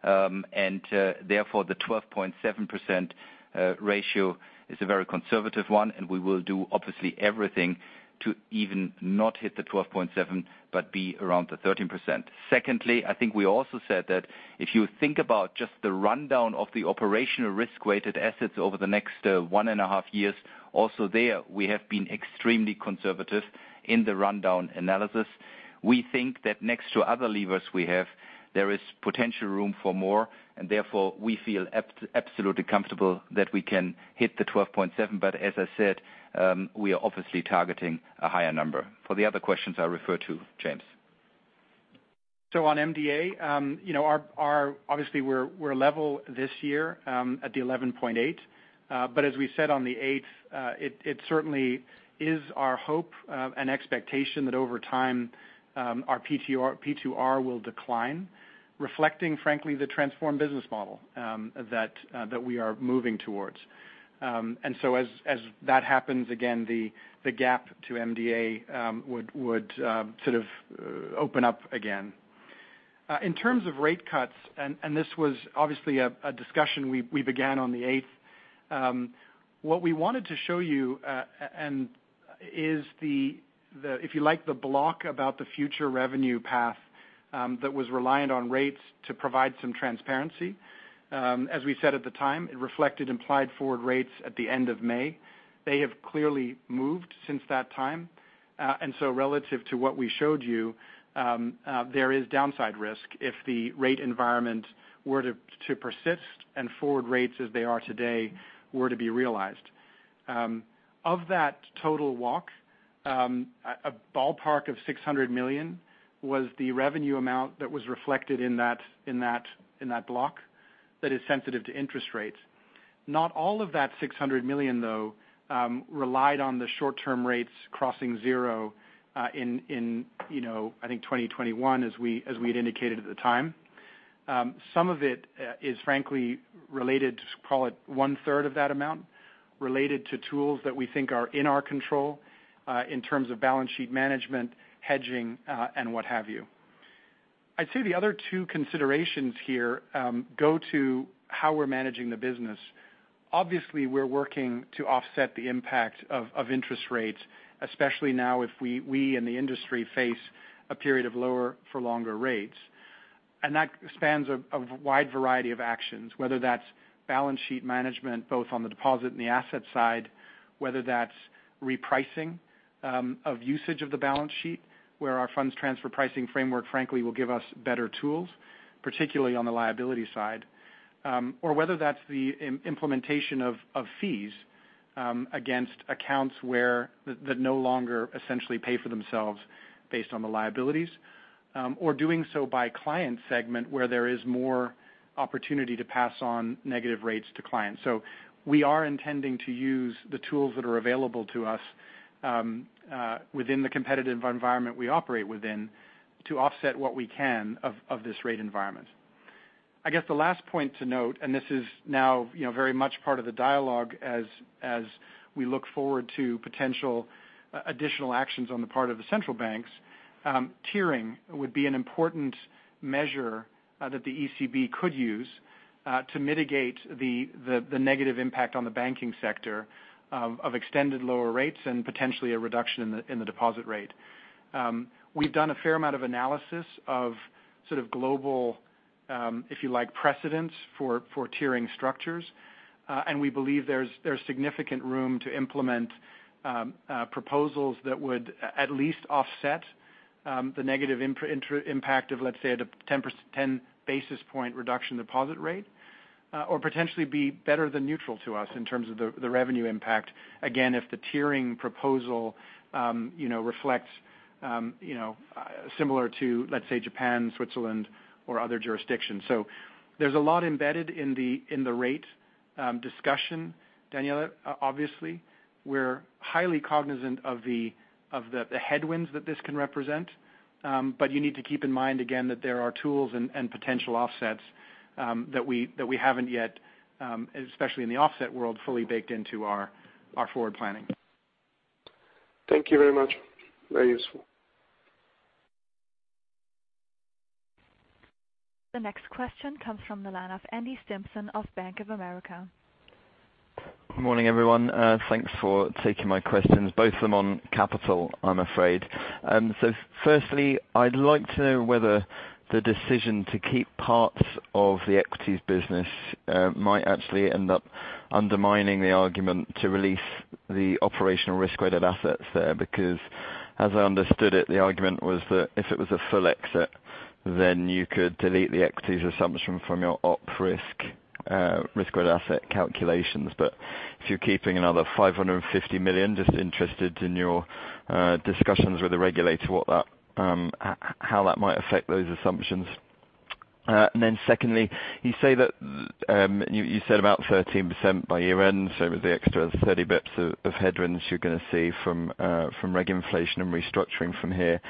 Therefore, the 12.7% ratio is a very conservative one, and we will do obviously everything to even not hit the 12.7, but be around the 13%. Secondly, I think we also said that if you think about just the rundown of the operational risk-weighted assets over the next one and a half years, also there we have been extremely conservative in the rundown analysis. We think that next to other levers we have, there is potential room for more, and therefore, we feel absolutely comfortable that we can hit the 12.7. As I said, we are obviously targeting a higher number. For the other questions, I refer to James. On MDA, obviously we're level this year at the 11.8. As we said on the eighth, it certainly is our hope and expectation that over time our P2R will decline, reflecting, frankly, the transformed business model that we are moving towards. As that happens again, the gap to MDA would sort of open up again. In terms of rate cuts, and this was obviously a discussion we began on the eighth, what we wanted to show you is the, if you like, the block about the future revenue path that was reliant on rates to provide some transparency. As we said at the time, it reflected implied forward rates at the end of May. They have clearly moved since that time. Relative to what we showed you, there is downside risk if the rate environment were to persist and forward rates as they are today were to be realized. Of that total walk, a ballpark of 600 million was the revenue amount that was reflected in that block that is sensitive to interest rates. Not all of that 600 million, though, relied on the short-term rates crossing zero in I think 2021 as we had indicated at the time. Some of it is frankly related, call it one-third of that amount, related to tools that we think are in our control in terms of balance sheet management, hedging, and what have you. I'd say the other two considerations here go to how we're managing the business. Obviously, we're working to offset the impact of interest rates, especially now if we and the industry face a period of lower for longer rates. That spans a wide variety of actions, whether that's balance sheet management, both on the deposit and the asset side, whether that's repricing of usage of the balance sheet, where our funds transfer pricing framework, frankly, will give us better tools, particularly on the liability side. Whether that's the implementation of fees against accounts that no longer essentially pay for themselves based on the liabilities. Doing so by client segment where there is more opportunity to pass on negative rates to clients. We are intending to use the tools that are available to us within the competitive environment we operate within to offset what we can of this rate environment. I guess the last point to note, and this is now very much part of the dialogue as we look forward to potential additional actions on the part of the central banks, tiering would be an important measure that the ECB could use to mitigate the negative impact on the banking sector of extended lower rates and potentially a reduction in the deposit rate. We've done a fair amount of analysis of sort of global, if you like, precedents for tiering structures. We believe there's significant room to implement proposals that would at least offset the negative impact of, let's say, at a 10 basis point reduction deposit rate. Potentially be better than neutral to us in terms of the revenue impact, again, if the tiering proposal reflects similar to, let's say, Japan, Switzerland, or other jurisdictions. There's a lot embedded in the rate discussion, Daniele. Obviously, we're highly cognizant of the headwinds that this can represent. You need to keep in mind, again, that there are tools and potential offsets that we haven't yet, especially in the offset world, fully baked into our forward planning. Thank you very much. Very useful. The next question comes from the line of Andy Stimpson of Bank of America. Good morning, everyone. Thanks for taking my questions, both of them on capital, I'm afraid. Firstly, I'd like to know whether the decision to keep parts of the equities business might actually end up undermining the argument to release the operational risk-weighted assets there. As I understood it, the argument was that if it was a full exit, then you could delete the equities assumptions from your op risk risk-weighted asset calculations. If you're keeping another 550 million, just interested in your discussions with the regulator, how that might affect those assumptions. Secondly, you said about 13% by year-end, with the extra 30 basis points of headwinds you're going to see from reg inflation and restructuring from here.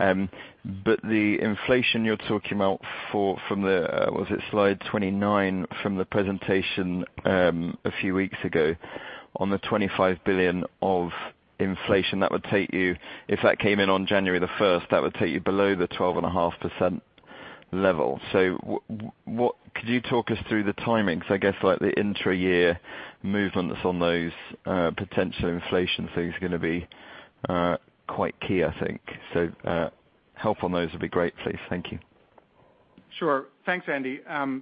The inflation you're talking about from the, was it slide 29 from the presentation a few weeks ago, on the 25 billion of inflation that would take you, if that came in on January the 1st, that would take you below the 12.5% level. Could you talk us through the timing? I guess, like the intra-year movements on those potential inflation things are going to be quite key, I think. Help on those would be great, please. Thank you. Sure. Thanks, Andy. On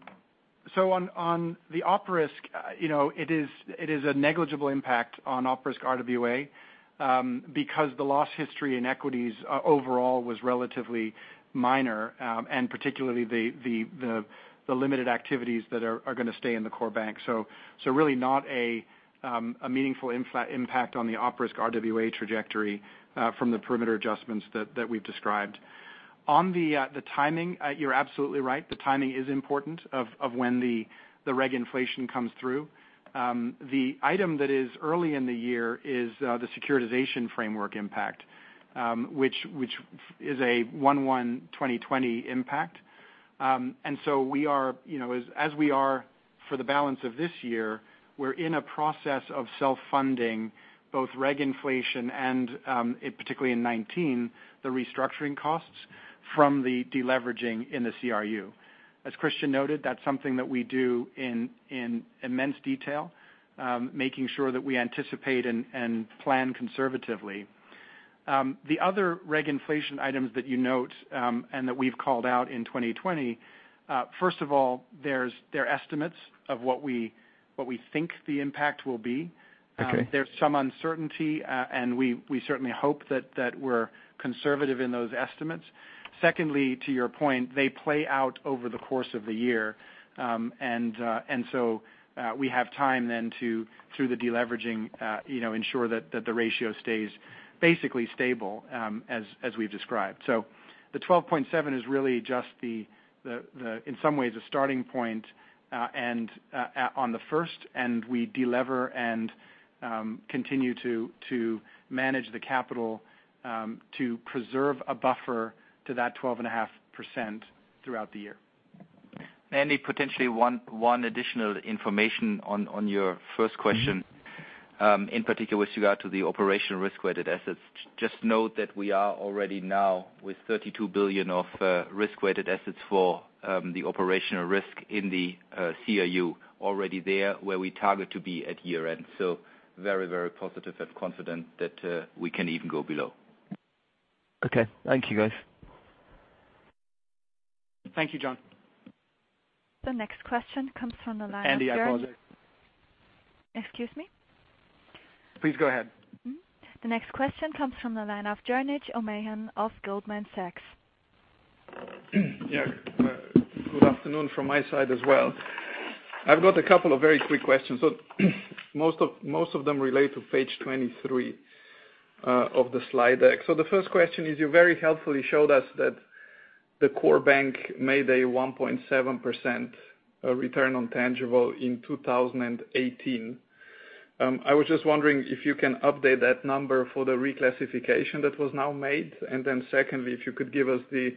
the op risk, it is a negligible impact on op risk RWA because the loss history in equities overall was relatively minor, and particularly the limited activities that are going to stay in the core bank. Really not a meaningful impact on the op risk RWA trajectory from the perimeter adjustments that we've described. On the timing, you're absolutely right. The timing is important of when the reg inflation comes through. The item that is early in the year is the securitization framework impact, which is a 1/1/2020 impact. As we are for the balance of this year, we're in a process of self-funding both reg inflation and, particularly in 2019, the restructuring costs from the deleveraging in the CRU. As Christian noted, that's something that we do in immense detail, making sure that we anticipate and plan conservatively. The other reg inflation items that you note and that we've called out in 2020, first of all, they're estimates of what we think the impact will be. Okay. There's some uncertainty, and we certainly hope that we're conservative in those estimates. Secondly, to your point, they play out over the course of the year. We have time then to, through the deleveraging, ensure that the ratio stays basically stable as we've described. The 12.7% is really just, in some ways, a starting point on the first, and we delever and continue to manage the capital to preserve a buffer to that 12.5% throughout the year. Andy, potentially one additional information on your first question, in particular with regard to the operational risk-weighted assets. Just note that we are already now with 32 billion of risk-weighted assets for the operational risk in the CRU already there, where we target to be at year-end. Very, very positive and confident that we can even go below. Okay. Thank you, guys. Thank you, Jon. The next question comes from the line of. Andy, I apologize. Excuse me? Please go ahead. The next question comes from the line of Jernej Omahen of Goldman Sachs. Good afternoon from my side as well. I've got a couple of very quick questions. Most of them relate to page 23 of the slide deck. The first question is, you very helpfully showed us that the core bank made a 1.7% return on tangible in 2018. I was just wondering if you can update that number for the reclassification that was now made. Secondly, if you could give us the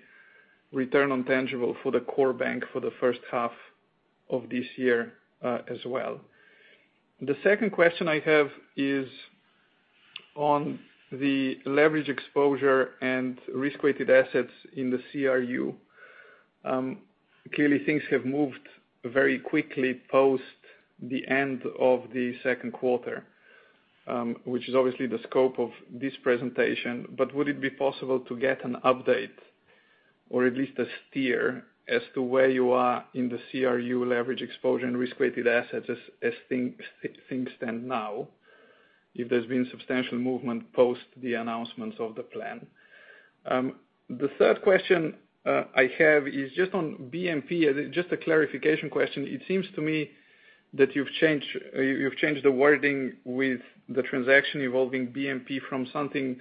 return on tangible for the core bank for the first half of this year as well. The second question I have is on the leverage exposure and risk-weighted assets in the CRU. Clearly, things have moved very quickly post the end of the second quarter, which is obviously the scope of this presentation. Would it be possible to get an update or at least a steer as to where you are in the CRU leverage exposure and risk-weighted assets as things stand now, if there's been substantial movement post the announcements of the plan? The third question I have is just on BNP. A clarification question. It seems to me that you've changed the wording with the transaction involving BNP from something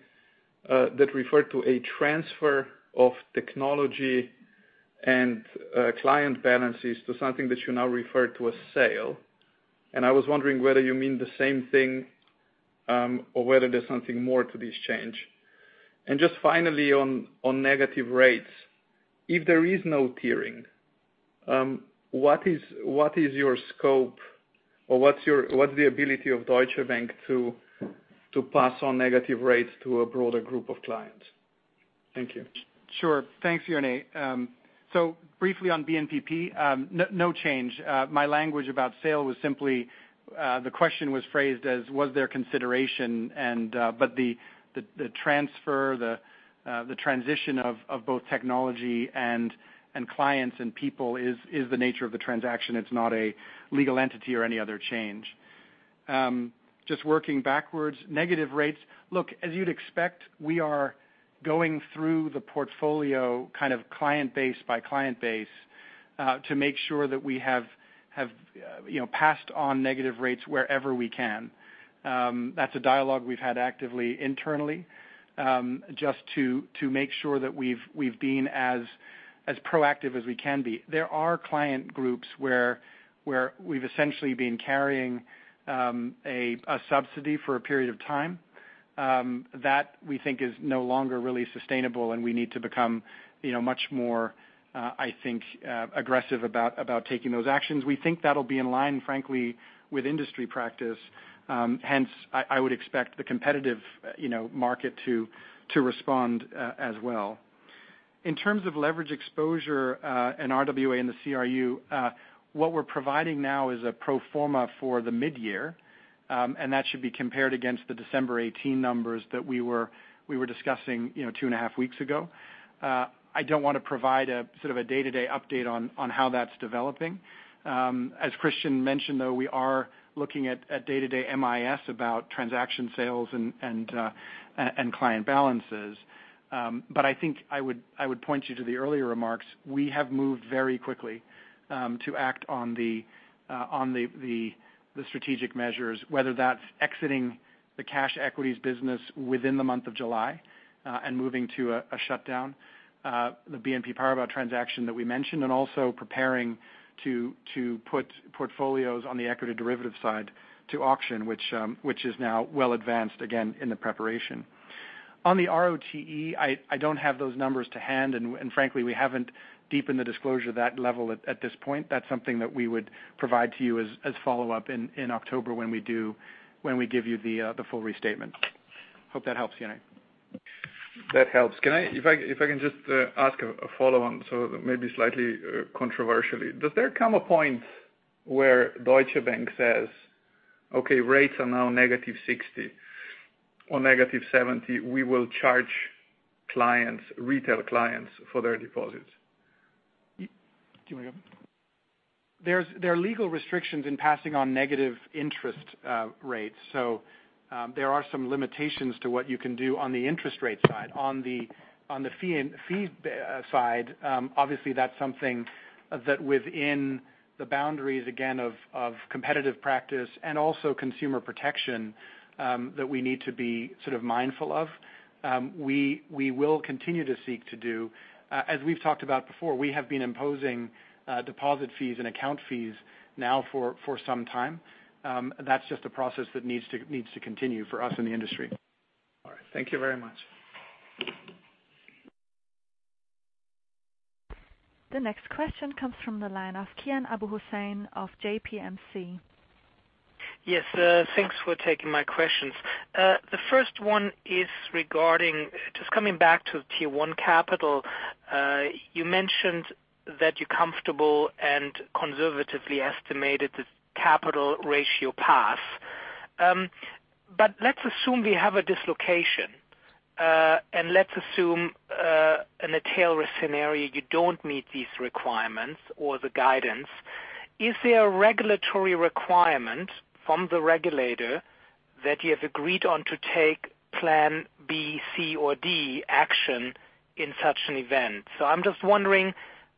that referred to a transfer of technology and client balances to something that you now refer to as sale. I was wondering whether you mean the same thing, or whether there's something more to this change. Finally on negative rates, if there is no tiering, what is your scope or what's the ability of Deutsche Bank to pass on negative rates to a broader group of clients? Thank you. Sure. Thanks, Jernej. Briefly on BNPP, no change. My language about sale was simply the question was phrased as was there consideration, but the transfer, the transition of both technology and clients and people is the nature of the transaction. It's not a legal entity or any other change. Working backwards, negative rates. As you'd expect, we are going through the portfolio kind of client base by client base to make sure that we have passed on negative rates wherever we can. That's a dialogue we've had actively internally, just to make sure that we've been as proactive as we can be. There are client groups where we've essentially been carrying a subsidy for a period of time. That we think is no longer really sustainable and we need to become much more, I think, aggressive about taking those actions. We think that'll be in line, frankly, with industry practice. Hence, I would expect the competitive market to respond as well. In terms of leverage exposure and RWA in the CRU, what we're providing now is a pro forma for the mid-year. That should be compared against the December 18 numbers that we were discussing two and a half weeks ago. I don't want to provide a sort of a day-to-day update on how that's developing. As Christian mentioned, though, we are looking at day-to-day MIS about transaction sales and client balances. I think I would point you to the earlier remarks. We have moved very quickly to act on the strategic measures, whether that's exiting the cash equities business within the month of July and moving to a shutdown, the BNP Paribas transaction that we mentioned, and also preparing to put portfolios on the equity derivative side to auction, which is now well advanced again in the preparation. On the ROTE, I don't have those numbers to hand, and frankly, we haven't deepened the disclosure that level at this point. That's something that we would provide to you as follow-up in October when we give you the full restatement. Hope that helps, Jernej. That helps. If I can just ask a follow-on, maybe slightly controversially. Does there come a point where Deutsche Bank says, "Okay, rates are now negative 60 or negative 70. We will charge retail clients for their deposits"? There are legal restrictions in passing on negative interest rates. There are some limitations to what you can do on the interest rate side. On the fee side, obviously that's something that within the boundaries, again, of competitive practice and also consumer protection, that we need to be sort of mindful of. We will continue to seek to do. As we've talked about before, we have been imposing deposit fees and account fees now for some time. That's just a process that needs to continue for us in the industry. Thank you very much. The next question comes from the line of Kian Abouhossein of JPMorgan. Yes. Thanks for taking my questions. The first one is regarding, coming back to tier 1 capital. You mentioned that you're comfortable and conservatively estimated the capital ratio path. Let's assume we have a dislocation, and let's assume in a tail risk scenario, you don't meet these requirements or the guidance. Is there a regulatory requirement from the regulator that you have agreed on to take plan B, C, or D action in such an event? I'm wondering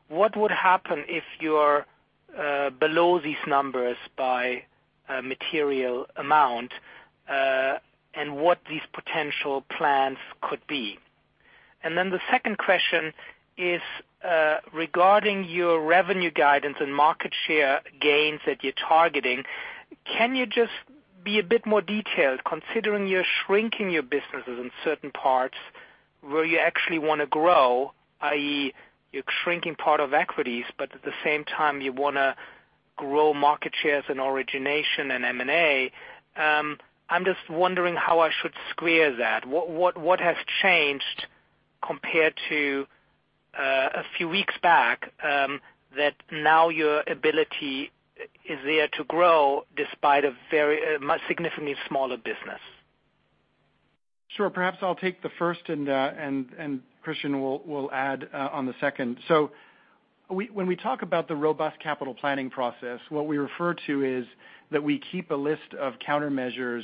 what would happen if you're below these numbers by a material amount, and what these potential plans could be. The second question is regarding your revenue guidance and market share gains that you're targeting. Can you just be a bit more detailed, considering you're shrinking your businesses in certain parts where you actually want to grow, i.e., you're shrinking part of equities, but at the same time you want to grow market shares in origination and M&A. I'm just wondering how I should square that. What has changed compared to a few weeks back that now your ability is there to grow despite a significantly smaller business? Sure. Perhaps I'll take the first, and Christian will add on the second. When we talk about the robust capital planning process, what we refer to is that we keep a list of countermeasures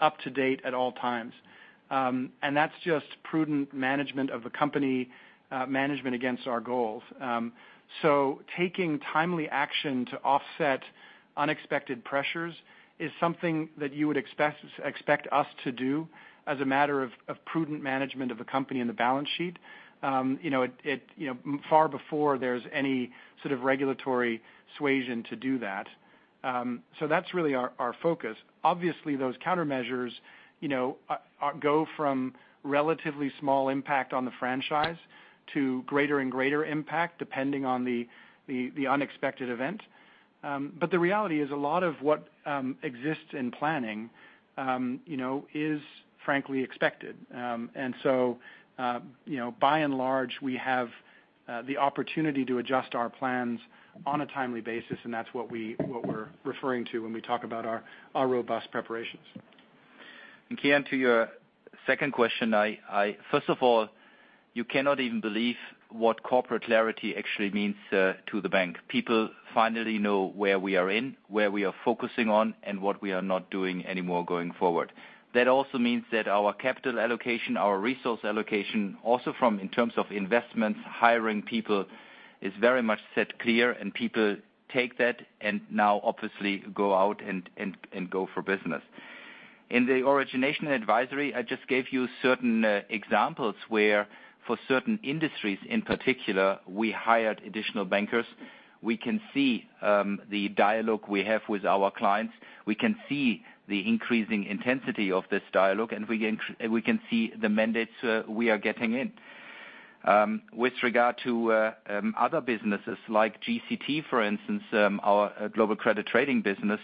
up to date at all times. That's just prudent management of the company, management against our goals. Taking timely action to offset unexpected pressures is something that you would expect us to do as a matter of prudent management of the company and the balance sheet far before there's any sort of regulatory suasion to do that. That's really our focus. Obviously, those countermeasures go from relatively small impact on the franchise to greater and greater impact depending on the unexpected event. The reality is a lot of what exists in planning is frankly expected. By and large, we have the opportunity to adjust our plans on a timely basis, and that's what we're referring to when we talk about our robust preparations. Kian, to your second question, first of all, you cannot even believe what corporate clarity actually means to the bank. People finally know where we are in, where we are focusing on, and what we are not doing any more going forward. That also means that our capital allocation, our resource allocation, also from in terms of investments, hiring people, is very much set clear and people take that and now obviously go out and go for business. In the origination advisory, I just gave you certain examples where for certain industries in particular, we hired additional bankers. We can see the dialogue we have with our clients. We can see the increasing intensity of this dialogue, and we can see the mandates we are getting in. With regard to other businesses like GCT, for instance, our Global Credit Trading business.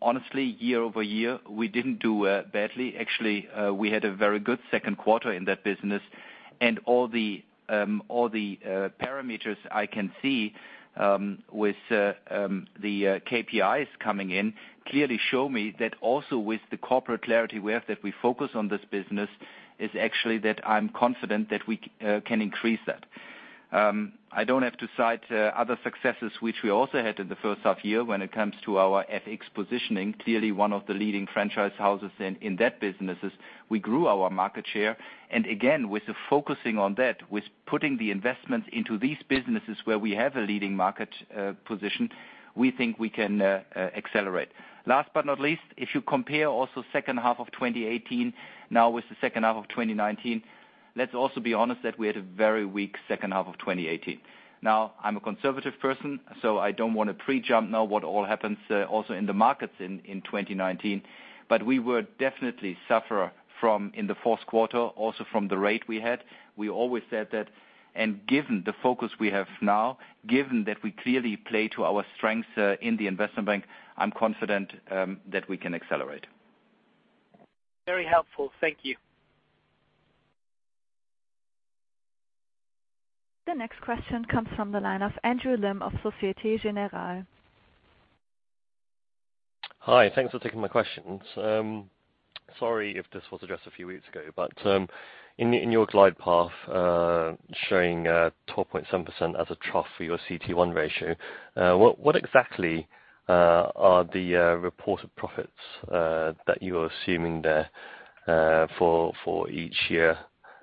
Honestly, year-over-year, we didn't do badly. Actually, we had a very good second quarter in that business, and all the parameters I can see with the KPIs coming in clearly show me that also with the corporate clarity we have that we focus on this business is actually that I'm confident that we can increase that. I don't have to cite other successes which we also had in the first half year when it comes to our FX positioning. One of the leading franchise houses in that business is we grew our market share. Again, with the focusing on that, with putting the investments into these businesses where we have a leading market position, we think we can accelerate. Last but not least, if you compare also second half of 2018 now with the second half of 2019, let's also be honest that we had a very weak second half of 2018. I'm a conservative person, so I don't want to pre-jump now what all happens also in the markets in 2019. We would definitely suffer in the fourth quarter also from the rate we had. We always said that. Given the focus we have now, given that we clearly play to our strengths in the investment bank, I'm confident that we can accelerate. Very helpful. Thank you. The next question comes from the line of Andrew Lim of Societe Generale. Hi, thanks for taking my questions. Sorry if this was addressed a few weeks ago, in your glide path showing 12.7% as a trough for your CET1 ratio, what exactly are the reported profits that you are assuming there for each year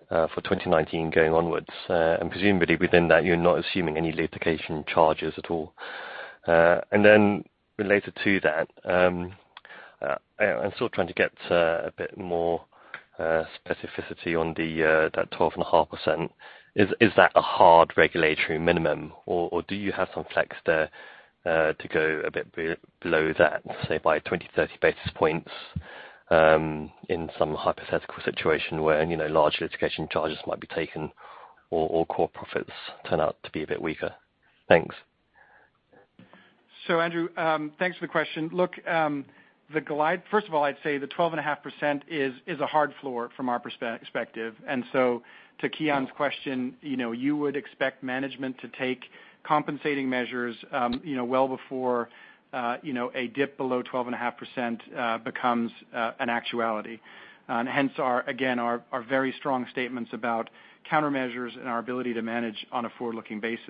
for 2019 going onwards? Presumably within that you're not assuming any litigation charges at all. Related to that, I'm still trying to get a bit more specificity on that 12.5%. Is that a hard regulatory minimum, or do you have some flex there to go a bit below that, say by 20, 30 basis points in some hypothetical situation where large litigation charges might be taken or core profits turn out to be a bit weaker. Thanks. Andrew, thanks for the question. Look, first of all, I'd say the 12.5% is a hard floor from our perspective. To Kian's question, you would expect management to take compensating measures well before a dip below 12.5% becomes an actuality. Hence again, our very strong statements about countermeasures and our ability to manage on a forward-looking basis.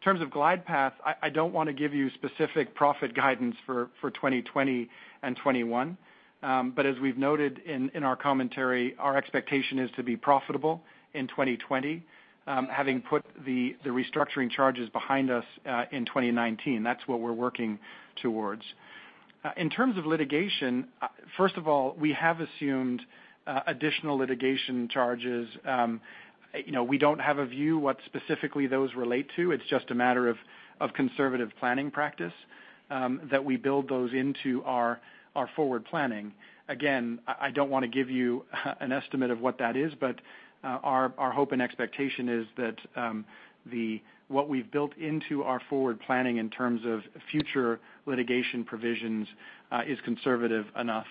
In terms of glide path, I don't want to give you specific profit guidance for 2020 and 2021. As we've noted in our commentary, our expectation is to be profitable in 2020, having put the restructuring charges behind us in 2019. That's what we're working towards. In terms of litigation, first of all, we have assumed additional litigation charges. We don't have a view what specifically those relate to. It's just a matter of conservative planning practice that we build those into our forward planning. Again, I don't want to give you an estimate of what that is, but our hope and expectation is that what we've built into our forward planning in terms of future litigation provisions is conservative enough.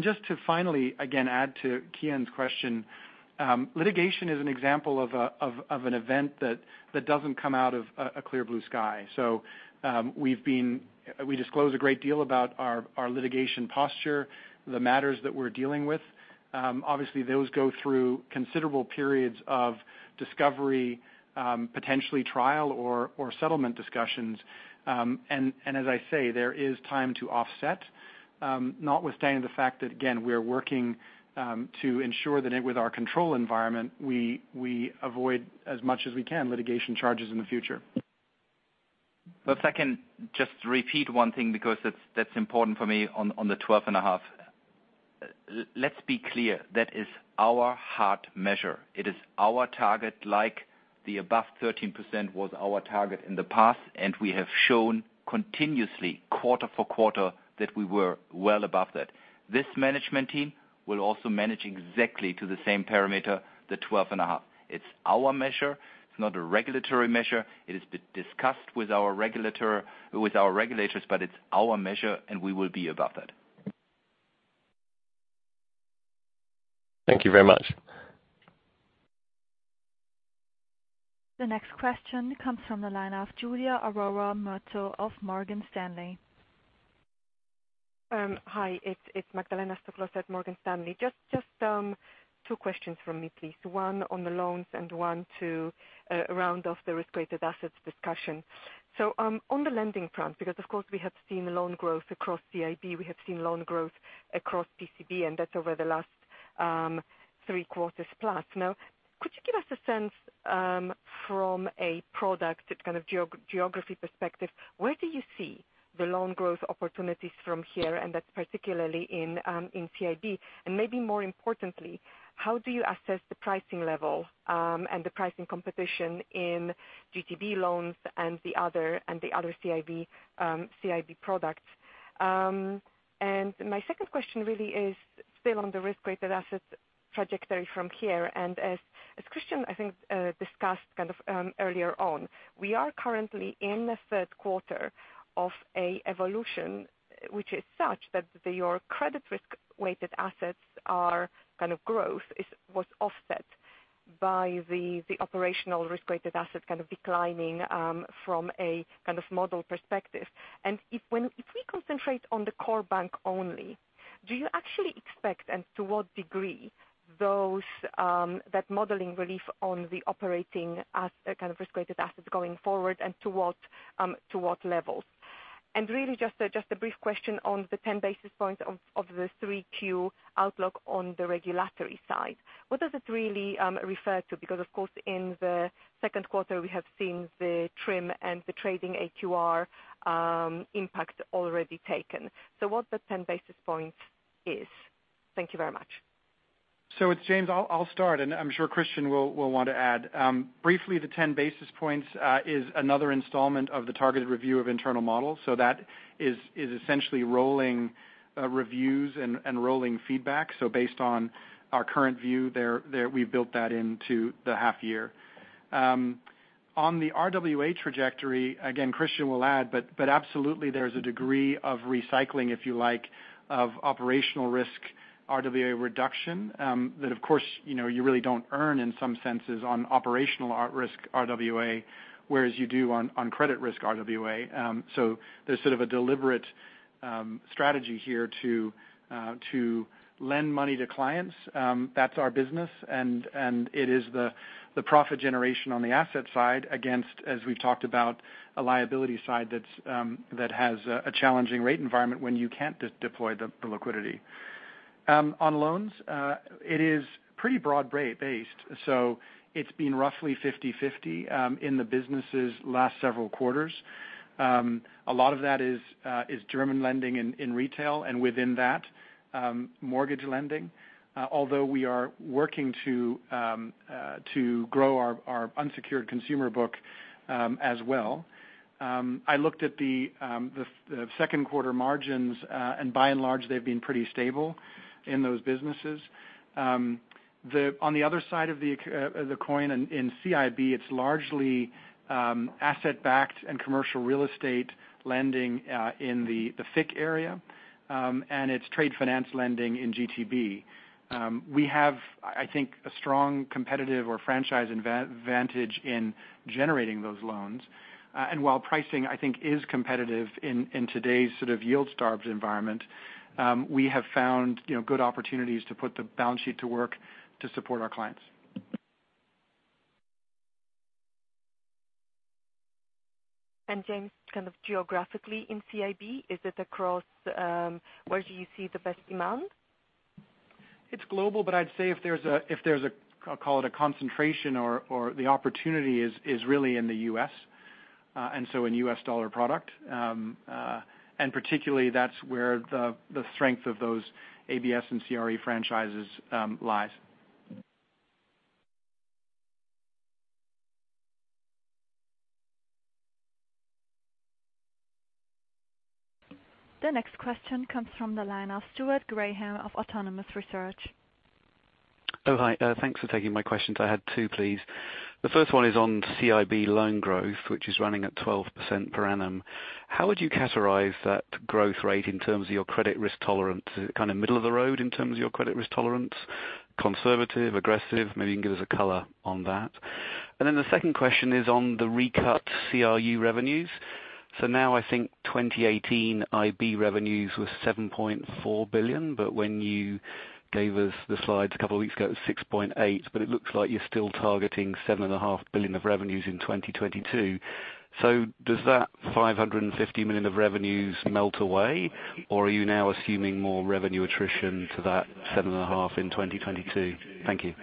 Just to finally, again, add to Kian's question, litigation is an example of an event that doesn't come out of a clear blue sky. We disclose a great deal about our litigation posture, the matters that we're dealing with. Obviously, those go through considerable periods of discovery, potentially trial or settlement discussions. As I say, there is time to offset, notwithstanding the fact that, again, we are working to ensure that with our control environment, we avoid as much as we can litigation charges in the future. If I can just repeat one thing, because that's important for me on the 12.5%. Let's be clear. That is our hard measure. It is our target, like the above 13% was our target in the past, and we have shown continuously quarter for quarter that we were well above that. This management team will also manage exactly to the same parameter, the 12.5%. It's our measure. It's not a regulatory measure. It has been discussed with our regulators, but it's our measure, and we will be above it. Thank you very much. The next question comes from the line of Giulia Aurora Miotto of Morgan Stanley. Hi, it's Magdalena Stoklosa at Morgan Stanley. Two questions from me, please. One on the loans and one to round off the risk-weighted assets discussion. On the lending front, because of course we have seen loan growth across CIB, we have seen loan growth across PCB, and that's over the last three quarters plus. Could you give us a sense from a product kind of geography perspective, where do you see the loan growth opportunities from here, and that's particularly in CIB? Maybe more importantly, how do you assess the pricing level and the pricing competition in GTB loans and the other CIB products? My second question really is still on the risk-weighted assets trajectory from here. As Christian, I think, discussed kind of earlier on, we are currently in the third quarter of a evolution, which is such that your credit risk-weighted assets are kind of growth was offset by the operational risk-weighted assets kind of declining from a kind of model perspective. If we concentrate on the core bank only, do you actually expect, and to what degree, that modeling relief on the operating kind of risk-weighted assets going forward and to what levels? Really just a brief question on the 10 basis points of the 3Q outlook on the regulatory side. What does it really refer to? Because of course, in the second quarter, we have seen the TRIM and the trading AQR impact already taken. What the 10 basis points is. Thank you very much. It's James. I'll start, and I'm sure Christian will want to add. Briefly, the 10 basis points is another installment of the targeted review of internal models. That is essentially rolling reviews and rolling feedback. Based on our current view there, we've built that into the half year. On the RWA trajectory, again, Christian will add, but absolutely there's a degree of recycling, if you like, of operational risk RWA reduction that of course, you really don't earn in some senses on operational risk RWA, whereas you do on credit risk RWA. There's sort of a deliberate strategy here to lend money to clients. That's our business, and it is the profit generation on the asset side against, as we've talked about, a liability side that has a challenging rate environment when you can't deploy the liquidity. On loans, it is pretty broad-based. It's been roughly 50/50 in the businesses last several quarters. A lot of that is German lending in retail and within that, mortgage lending. Although we are working to grow our unsecured consumer book as well. I looked at the second quarter margins, and by and large, they've been pretty stable in those businesses. On the other side of the coin in CIB, it's largely asset-backed and commercial real estate lending in the FICC area, and it's trade finance lending in GTB. We have, I think, a strong competitive or franchise advantage in generating those loans. While pricing, I think is competitive in today's sort of yield-starved environment, we have found good opportunities to put the balance sheet to work to support our clients. James, kind of geographically in CIB, where do you see the best demand? It's global, but I'd say if there's a, call it a concentration or the opportunity is really in the U.S., and so in U.S. dollar product. Particularly that's where the strength of those ABS and CRE franchises lies. The next question comes from the line of Stuart Graham of Autonomous Research. Oh, hi. Thanks for taking my questions. I had two, please. The first one is on CIB loan growth, which is running at 12% per annum. How would you characterize that growth rate in terms of your credit risk tolerance? Is it kind of middle of the road in terms of your credit risk tolerance? Conservative, aggressive? Maybe you can give us a color on that. The second question is on the recut CRU revenues. I think 2018 IB revenues were 7.4 billion, but when you gave us the slides a couple of weeks ago, it was 6.8 billion, but it looks like you're still targeting 7.5 billion of revenues in 2022. Does that 550 million of revenues melt away, or are you now assuming more revenue attrition to that 7.5 billion in 2022? Thank you.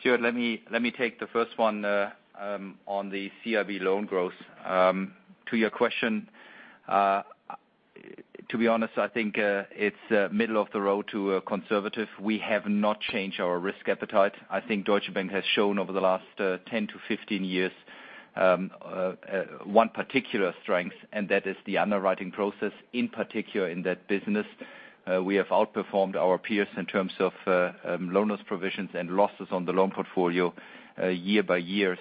Stuart, let me take the first one on the CIB loan growth. To your question, to be honest, I think it's middle of the road to conservative. We have not changed our risk appetite. I think Deutsche Bank has shown over the last 10 to 15 years one particular strength, and that is the underwriting process, in particular in that business. We have outperformed our peers in terms of loan loss provisions and losses on the loan portfolio year by year.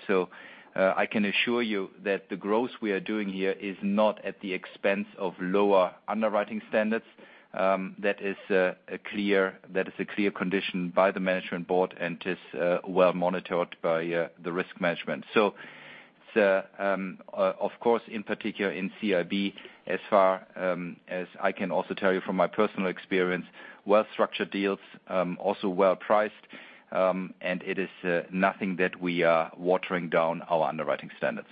I can assure you that the growth we are doing here is not at the expense of lower underwriting standards. That is a clear condition by the management board and is well monitored by the risk management. Of course, in particular in CIB, as far as I can also tell you from my personal experience, well-structured deals, also well-priced, and it is nothing that we are watering down our underwriting standards.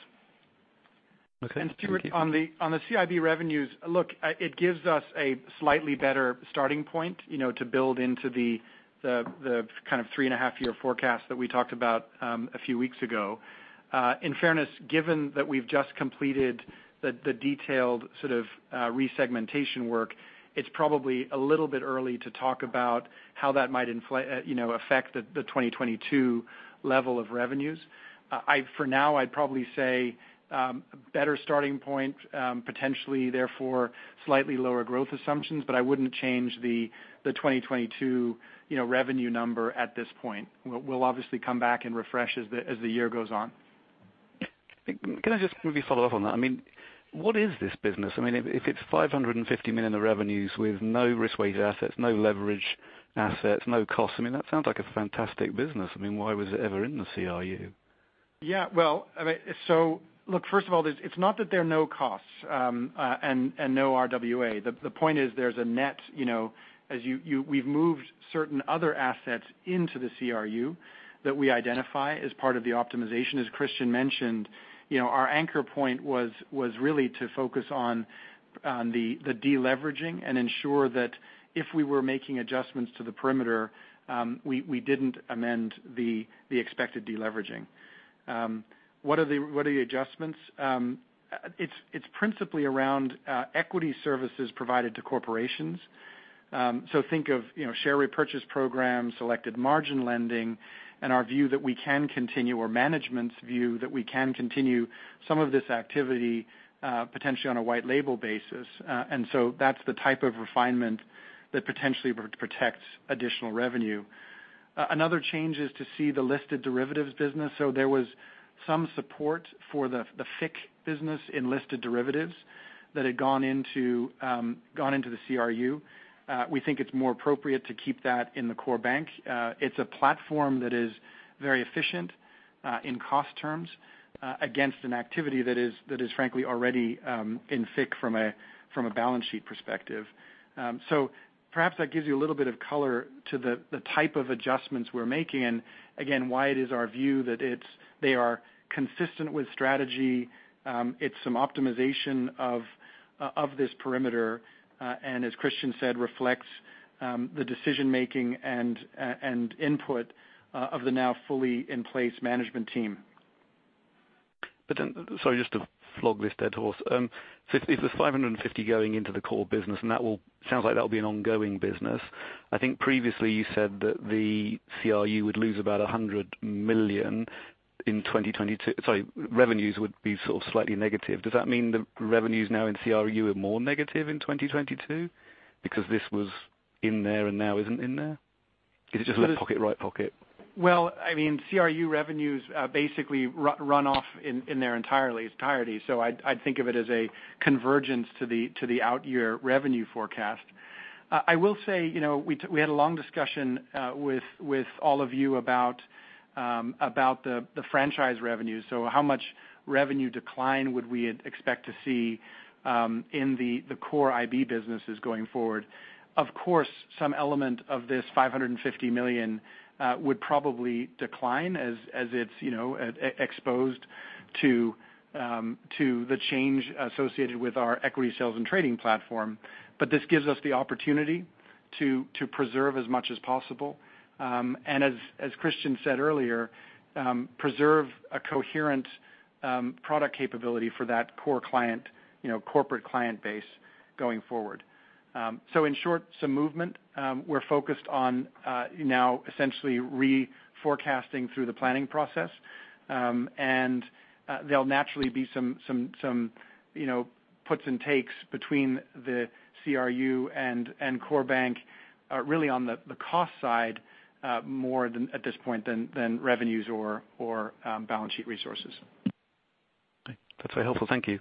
Okay. Thank you. Stuart, on the CIB revenues, look, it gives us a slightly better starting point to build into the kind of 3.5-year forecast that we talked about a few weeks ago. In fairness, given that we've just completed the detailed resegmentation work, it's probably a little bit early to talk about how that might affect the 2022 level of revenues. For now, I'd probably say, better starting point, potentially, therefore, slightly lower growth assumptions, but I wouldn't change the 2022 revenue number at this point. We'll obviously come back and refresh as the year goes on. Can I just maybe follow up on that? What is this business? If it's 550 million of revenues with no risk-weighted assets, no leverage assets, no cost, that sounds like a fantastic business. Why was it ever in the CRU? Yeah. Look, first of all, it's not that there are no costs and no RWA. The point is there's a net, as we've moved certain other assets into the CRU that we identify as part of the optimization. As Christian mentioned, our anchor point was really to focus on the de-leveraging and ensure that if we were making adjustments to the perimeter, we didn't amend the expected de-leveraging. What are the adjustments? It's principally around equity services provided to corporations. Think of share repurchase program, selected margin lending, and our view that we can continue, or management's view that we can continue some of this activity potentially on a white label basis. That's the type of refinement that potentially protects additional revenue. Another change is to see the listed derivatives business. There was some support for the FICC business in listed derivatives that had gone into the CRU. We think it's more appropriate to keep that in the core bank. It's a platform that is very efficient in cost terms against an activity that is frankly already in FICC from a balance sheet perspective. Perhaps that gives you a little bit of color to the type of adjustments we're making, and again, why it is our view that they are consistent with strategy, it's some optimization of this perimeter. As Christian said, reflects the decision-making and input of the now fully in place management team. Sorry, just to flog this dead horse. If there's 550 going into the core business, and that sounds like that will be an ongoing business. I think previously you said that the CRU would lose about 100 million. In 2022, sorry, revenues would be sort of slightly negative. Does that mean the revenues now in CRU are more negative in 2022? This was in there and now isn't in there? Is it just left pocket, right pocket? Well, CRU revenues basically run off in their entirety. I'd think of it as a convergence to the out year revenue forecast. I will say, we had a long discussion with all of you about the franchise revenues. How much revenue decline would we expect to see in the core IB businesses going forward? Of course, some element of this 550 million would probably decline as it's exposed to the change associated with our equity sales and trading platform. This gives us the opportunity to preserve as much as possible. As Christian said earlier, preserve a coherent product capability for that core client, corporate client base going forward. In short, some movement, we're focused on now essentially re-forecasting through the planning process. There'll naturally be some puts and takes between the CRU and core bank, really on the cost side more at this point than revenues or balance sheet resources. Okay. That's very helpful. Thank you.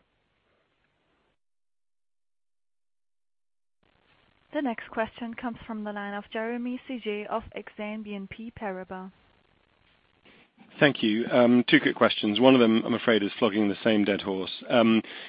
The next question comes from the line of Jeremy Sigee of Exane BNP Paribas. Thank you. Two quick questions. One of them, I'm afraid, is flogging the same dead horse.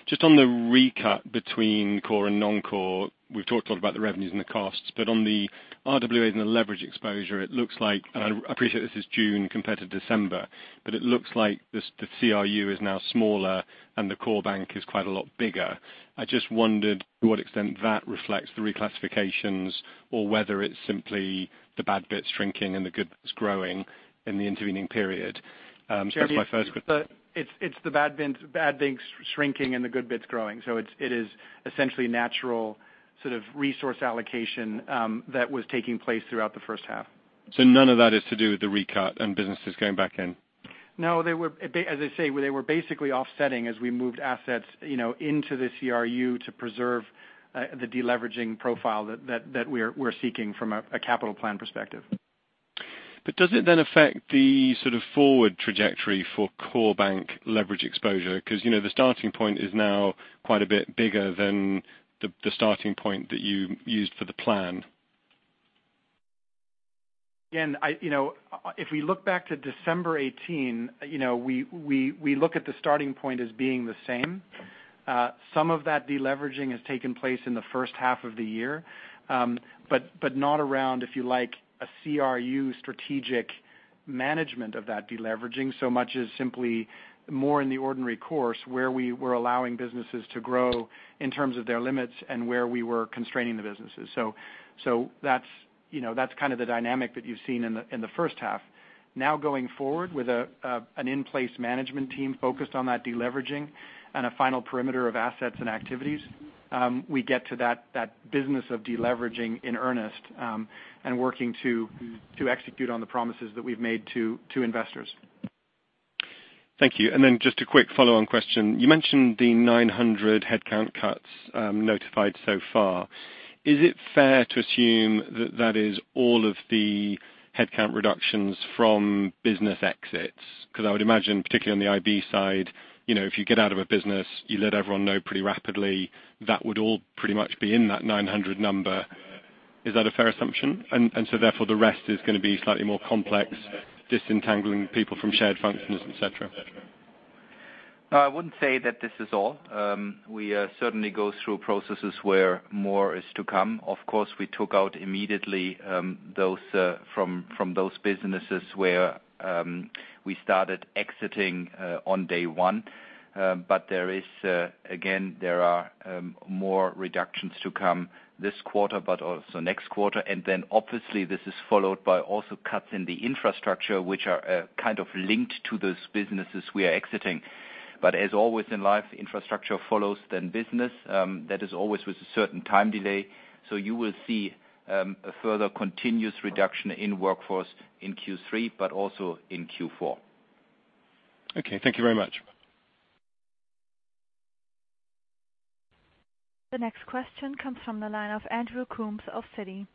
Just on the recut between core and non-core. We've talked a lot about the revenues and the costs, but on the RWAs and the leverage exposure, it looks like, and I appreciate this is June compared to December, but it looks like the CRU is now smaller and the core bank is quite a lot bigger. I just wondered to what extent that reflects the reclassifications or whether it's simply the bad bits shrinking and the good bits growing in the intervening period. That's my first question. It's the bad banks shrinking and the good bits growing. It is essentially natural sort of resource allocation that was taking place throughout the first half. None of that is to do with the recut and businesses going back in? No. As I say, they were basically offsetting as we moved assets into the CRU to preserve the deleveraging profile that we're seeking from a capital plan perspective. Does it then affect the sort of forward trajectory for core bank leverage exposure? The starting point is now quite a bit bigger than the starting point that you used for the plan. If we look back to December 18, we look at the starting point as being the same. Not around, if you like, a CRU strategic management of that deleveraging so much as simply more in the ordinary course where we were allowing businesses to grow in terms of their limits and where we were constraining the businesses. That's kind of the dynamic that you've seen in the first half. Going forward with an in-place management team focused on that deleveraging and a final perimeter of assets and activities, we get to that business of deleveraging in earnest, and working to execute on the promises that we've made to investors. Thank you. Just a quick follow-on question. You mentioned the 900 headcount cuts notified so far. Is it fair to assume that that is all of the headcount reductions from business exits? I would imagine, particularly on the IB side, if you get out of a business, you let everyone know pretty rapidly. That would all pretty much be in that 900 number. Is that a fair assumption? Therefore the rest is going to be slightly more complex, disentangling people from shared functions, et cetera. No, I wouldn't say that this is all. We certainly go through processes where more is to come. Of course, we took out immediately from those businesses where we started exiting on day one. There are more reductions to come this quarter, but also next quarter. Obviously this is followed by also cuts in the infrastructure, which are kind of linked to those businesses we are exiting. As always in life, infrastructure follows then business. That is always with a certain time delay. You will see a further continuous reduction in workforce in Q3, but also in Q4. Okay. Thank you very much. The next question comes from the line of Andrew Coombs of Citi.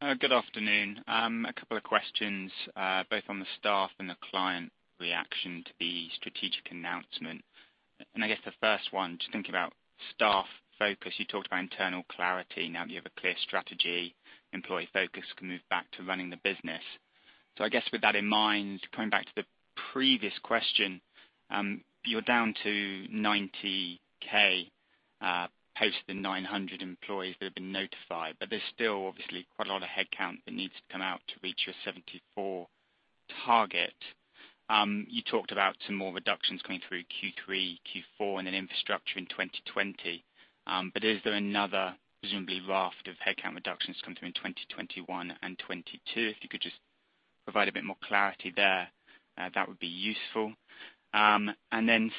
Good afternoon. A couple of questions, both on the staff and the client reaction to the strategic announcement. I guess the first one, just thinking about staff focus, you talked about internal clarity. Now that you have a clear strategy, employee focus can move back to running the business. I guess with that in mind, going back to the previous question, you're down to 90,000, post the 900 employees that have been notified. There's still obviously quite a lot of headcount that needs to come out to reach your 74 target. You talked about some more reductions coming through Q3, Q4, and then infrastructure in 2020. Is there another presumably raft of headcount reductions coming through in 2021 and 2022? If you could just provide a bit more clarity there. That would be useful.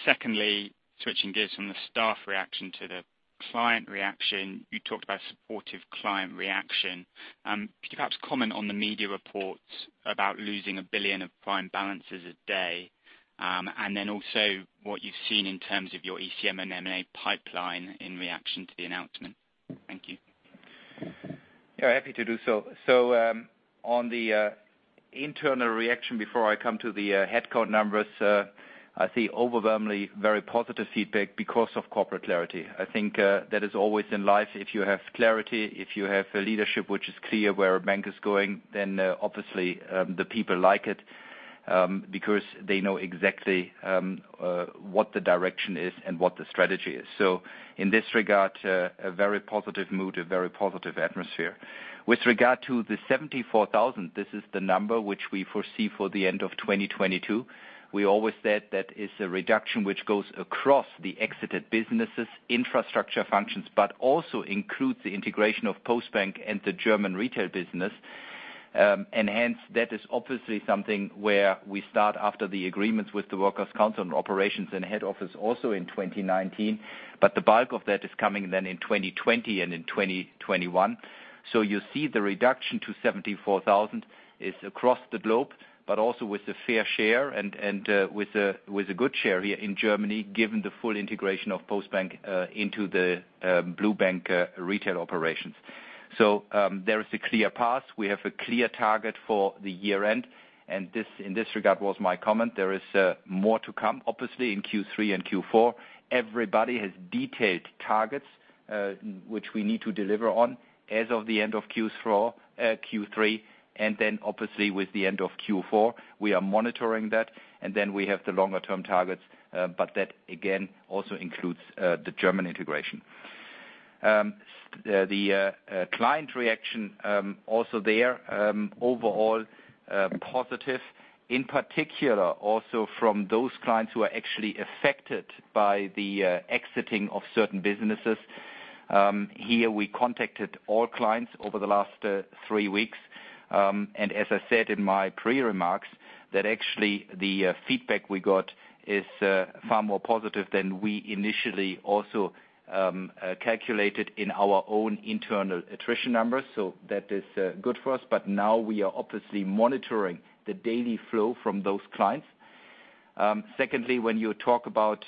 Secondly, switching gears from the staff reaction to the client reaction, you talked about supportive client reaction. Could you perhaps comment on the media reports about losing 1 billion of prime balances a day, and then also what you've seen in terms of your ECM and M&A pipeline in reaction to the announcement? Thank you. Happy to do so. On the internal reaction, before I come to the headcount numbers, I see overwhelmingly very positive feedback because of corporate clarity. I think that is always in life, if you have clarity, if you have a leadership which is clear where a bank is going, then obviously the people like it because they know exactly what the direction is and what the strategy is. In this regard, a very positive mood, a very positive atmosphere. With regard to the 74,000, this is the number which we foresee for the end of 2022. We always said that is a reduction which goes across the exited businesses, infrastructure functions, but also includes the integration of Postbank and the German retail business. Hence, that is obviously something where we start after the agreements with the Works Council and operations and head office also in 2019. The bulk of that is coming in 2020 and in 2021. You see the reduction to 74,000 is across the globe, but also with a fair share and with a good share here in Germany, given the full integration of Postbank into the Deutsche Bank retail operations. There is a clear path. We have a clear target for the year-end, and this in this regard was my comment. There is more to come, obviously in Q3 and Q4. Everybody has detailed targets which we need to deliver on as of the end of Q3, and then obviously with the end of Q4, we are monitoring that, and then we have the longer-term targets. That again, also includes the German integration. The client reaction also there, overall positive. In particular also from those clients who are actually affected by the exiting of certain businesses. Here we contacted all clients over the last three weeks. As I said in my pre-remarks, that actually the feedback we got is far more positive than we initially also calculated in our own internal attrition numbers. That is good for us. Now we are obviously monitoring the daily flow from those clients. Secondly, when you talk about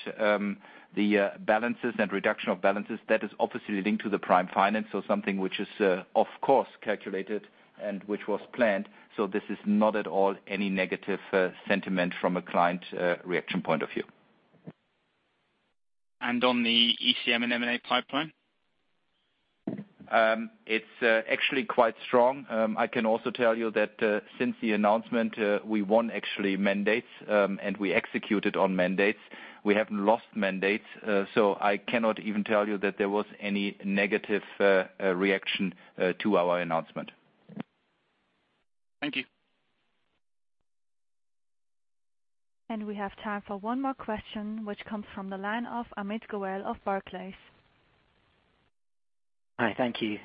the balances and reduction of balances, that is obviously linked to the prime finance, so something which is of course calculated and which was planned. This is not at all any negative sentiment from a client reaction point of view. On the ECM and M&A pipeline? It's actually quite strong. I can also tell you that since the announcement, we won mandates and we executed on mandates. We haven't lost mandates. I cannot even tell you that there was any negative reaction to our announcement. Thank you. We have time for one more question, which comes from the line of Amit Goel of Barclays. Hi. Thank you.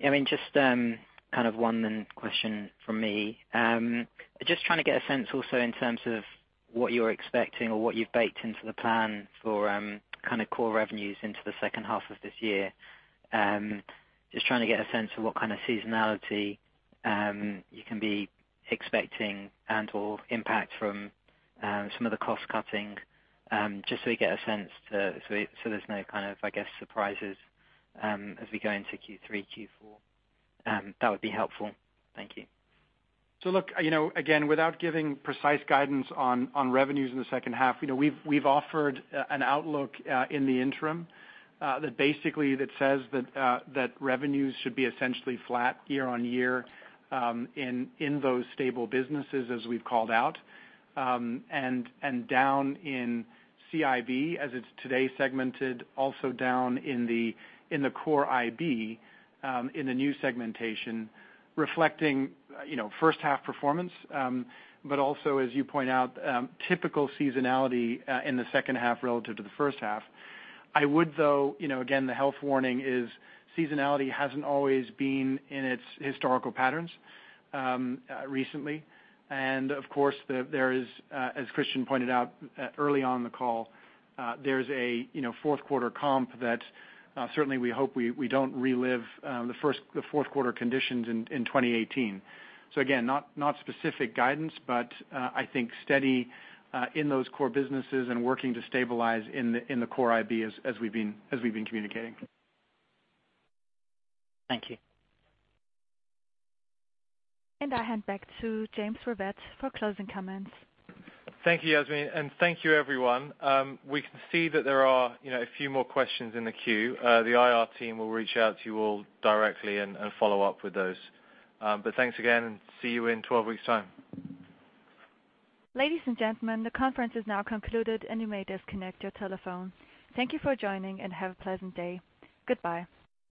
Just one question from me. Just trying to get a sense also in terms of what you're expecting or what you've baked into the plan for core revenues into the second half of this year. Just trying to get a sense of what kind of seasonality you can be expecting and/or impact from some of the cost-cutting, just so we get a sense, so there's no, I guess, surprises as we go into Q3, Q4. That would be helpful. Thank you. Look, again, without giving precise guidance on revenues in the second half, we've offered an outlook in the interim that basically that says that revenues should be essentially flat year-on-year in those stable businesses as we've called out, and down in CIB, as it's today segmented, also down in the core IB in the new segmentation reflecting first half performance. Also, as you point out, typical seasonality in the second half relative to the first half. I would though, again, the health warning is seasonality hasn't always been in its historical patterns recently. Of course, there is, as Christian pointed out early on in the call, there's a fourth quarter comp that certainly we hope we don't relive the fourth quarter conditions in 2018. Again, not specific guidance, but I think steady in those core businesses and working to stabilize in the core IB as we've been communicating. Thank you. I hand back to James Rivett for closing comments. Thank you, Yasmin, and thank you, everyone. We can see that there are a few more questions in the queue. The IR team will reach out to you all directly and follow up with those. Thanks again and see you in 12 weeks time. Ladies and gentlemen, the conference is now concluded, and you may disconnect your telephone. Thank you for joining and have a pleasant day. Goodbye.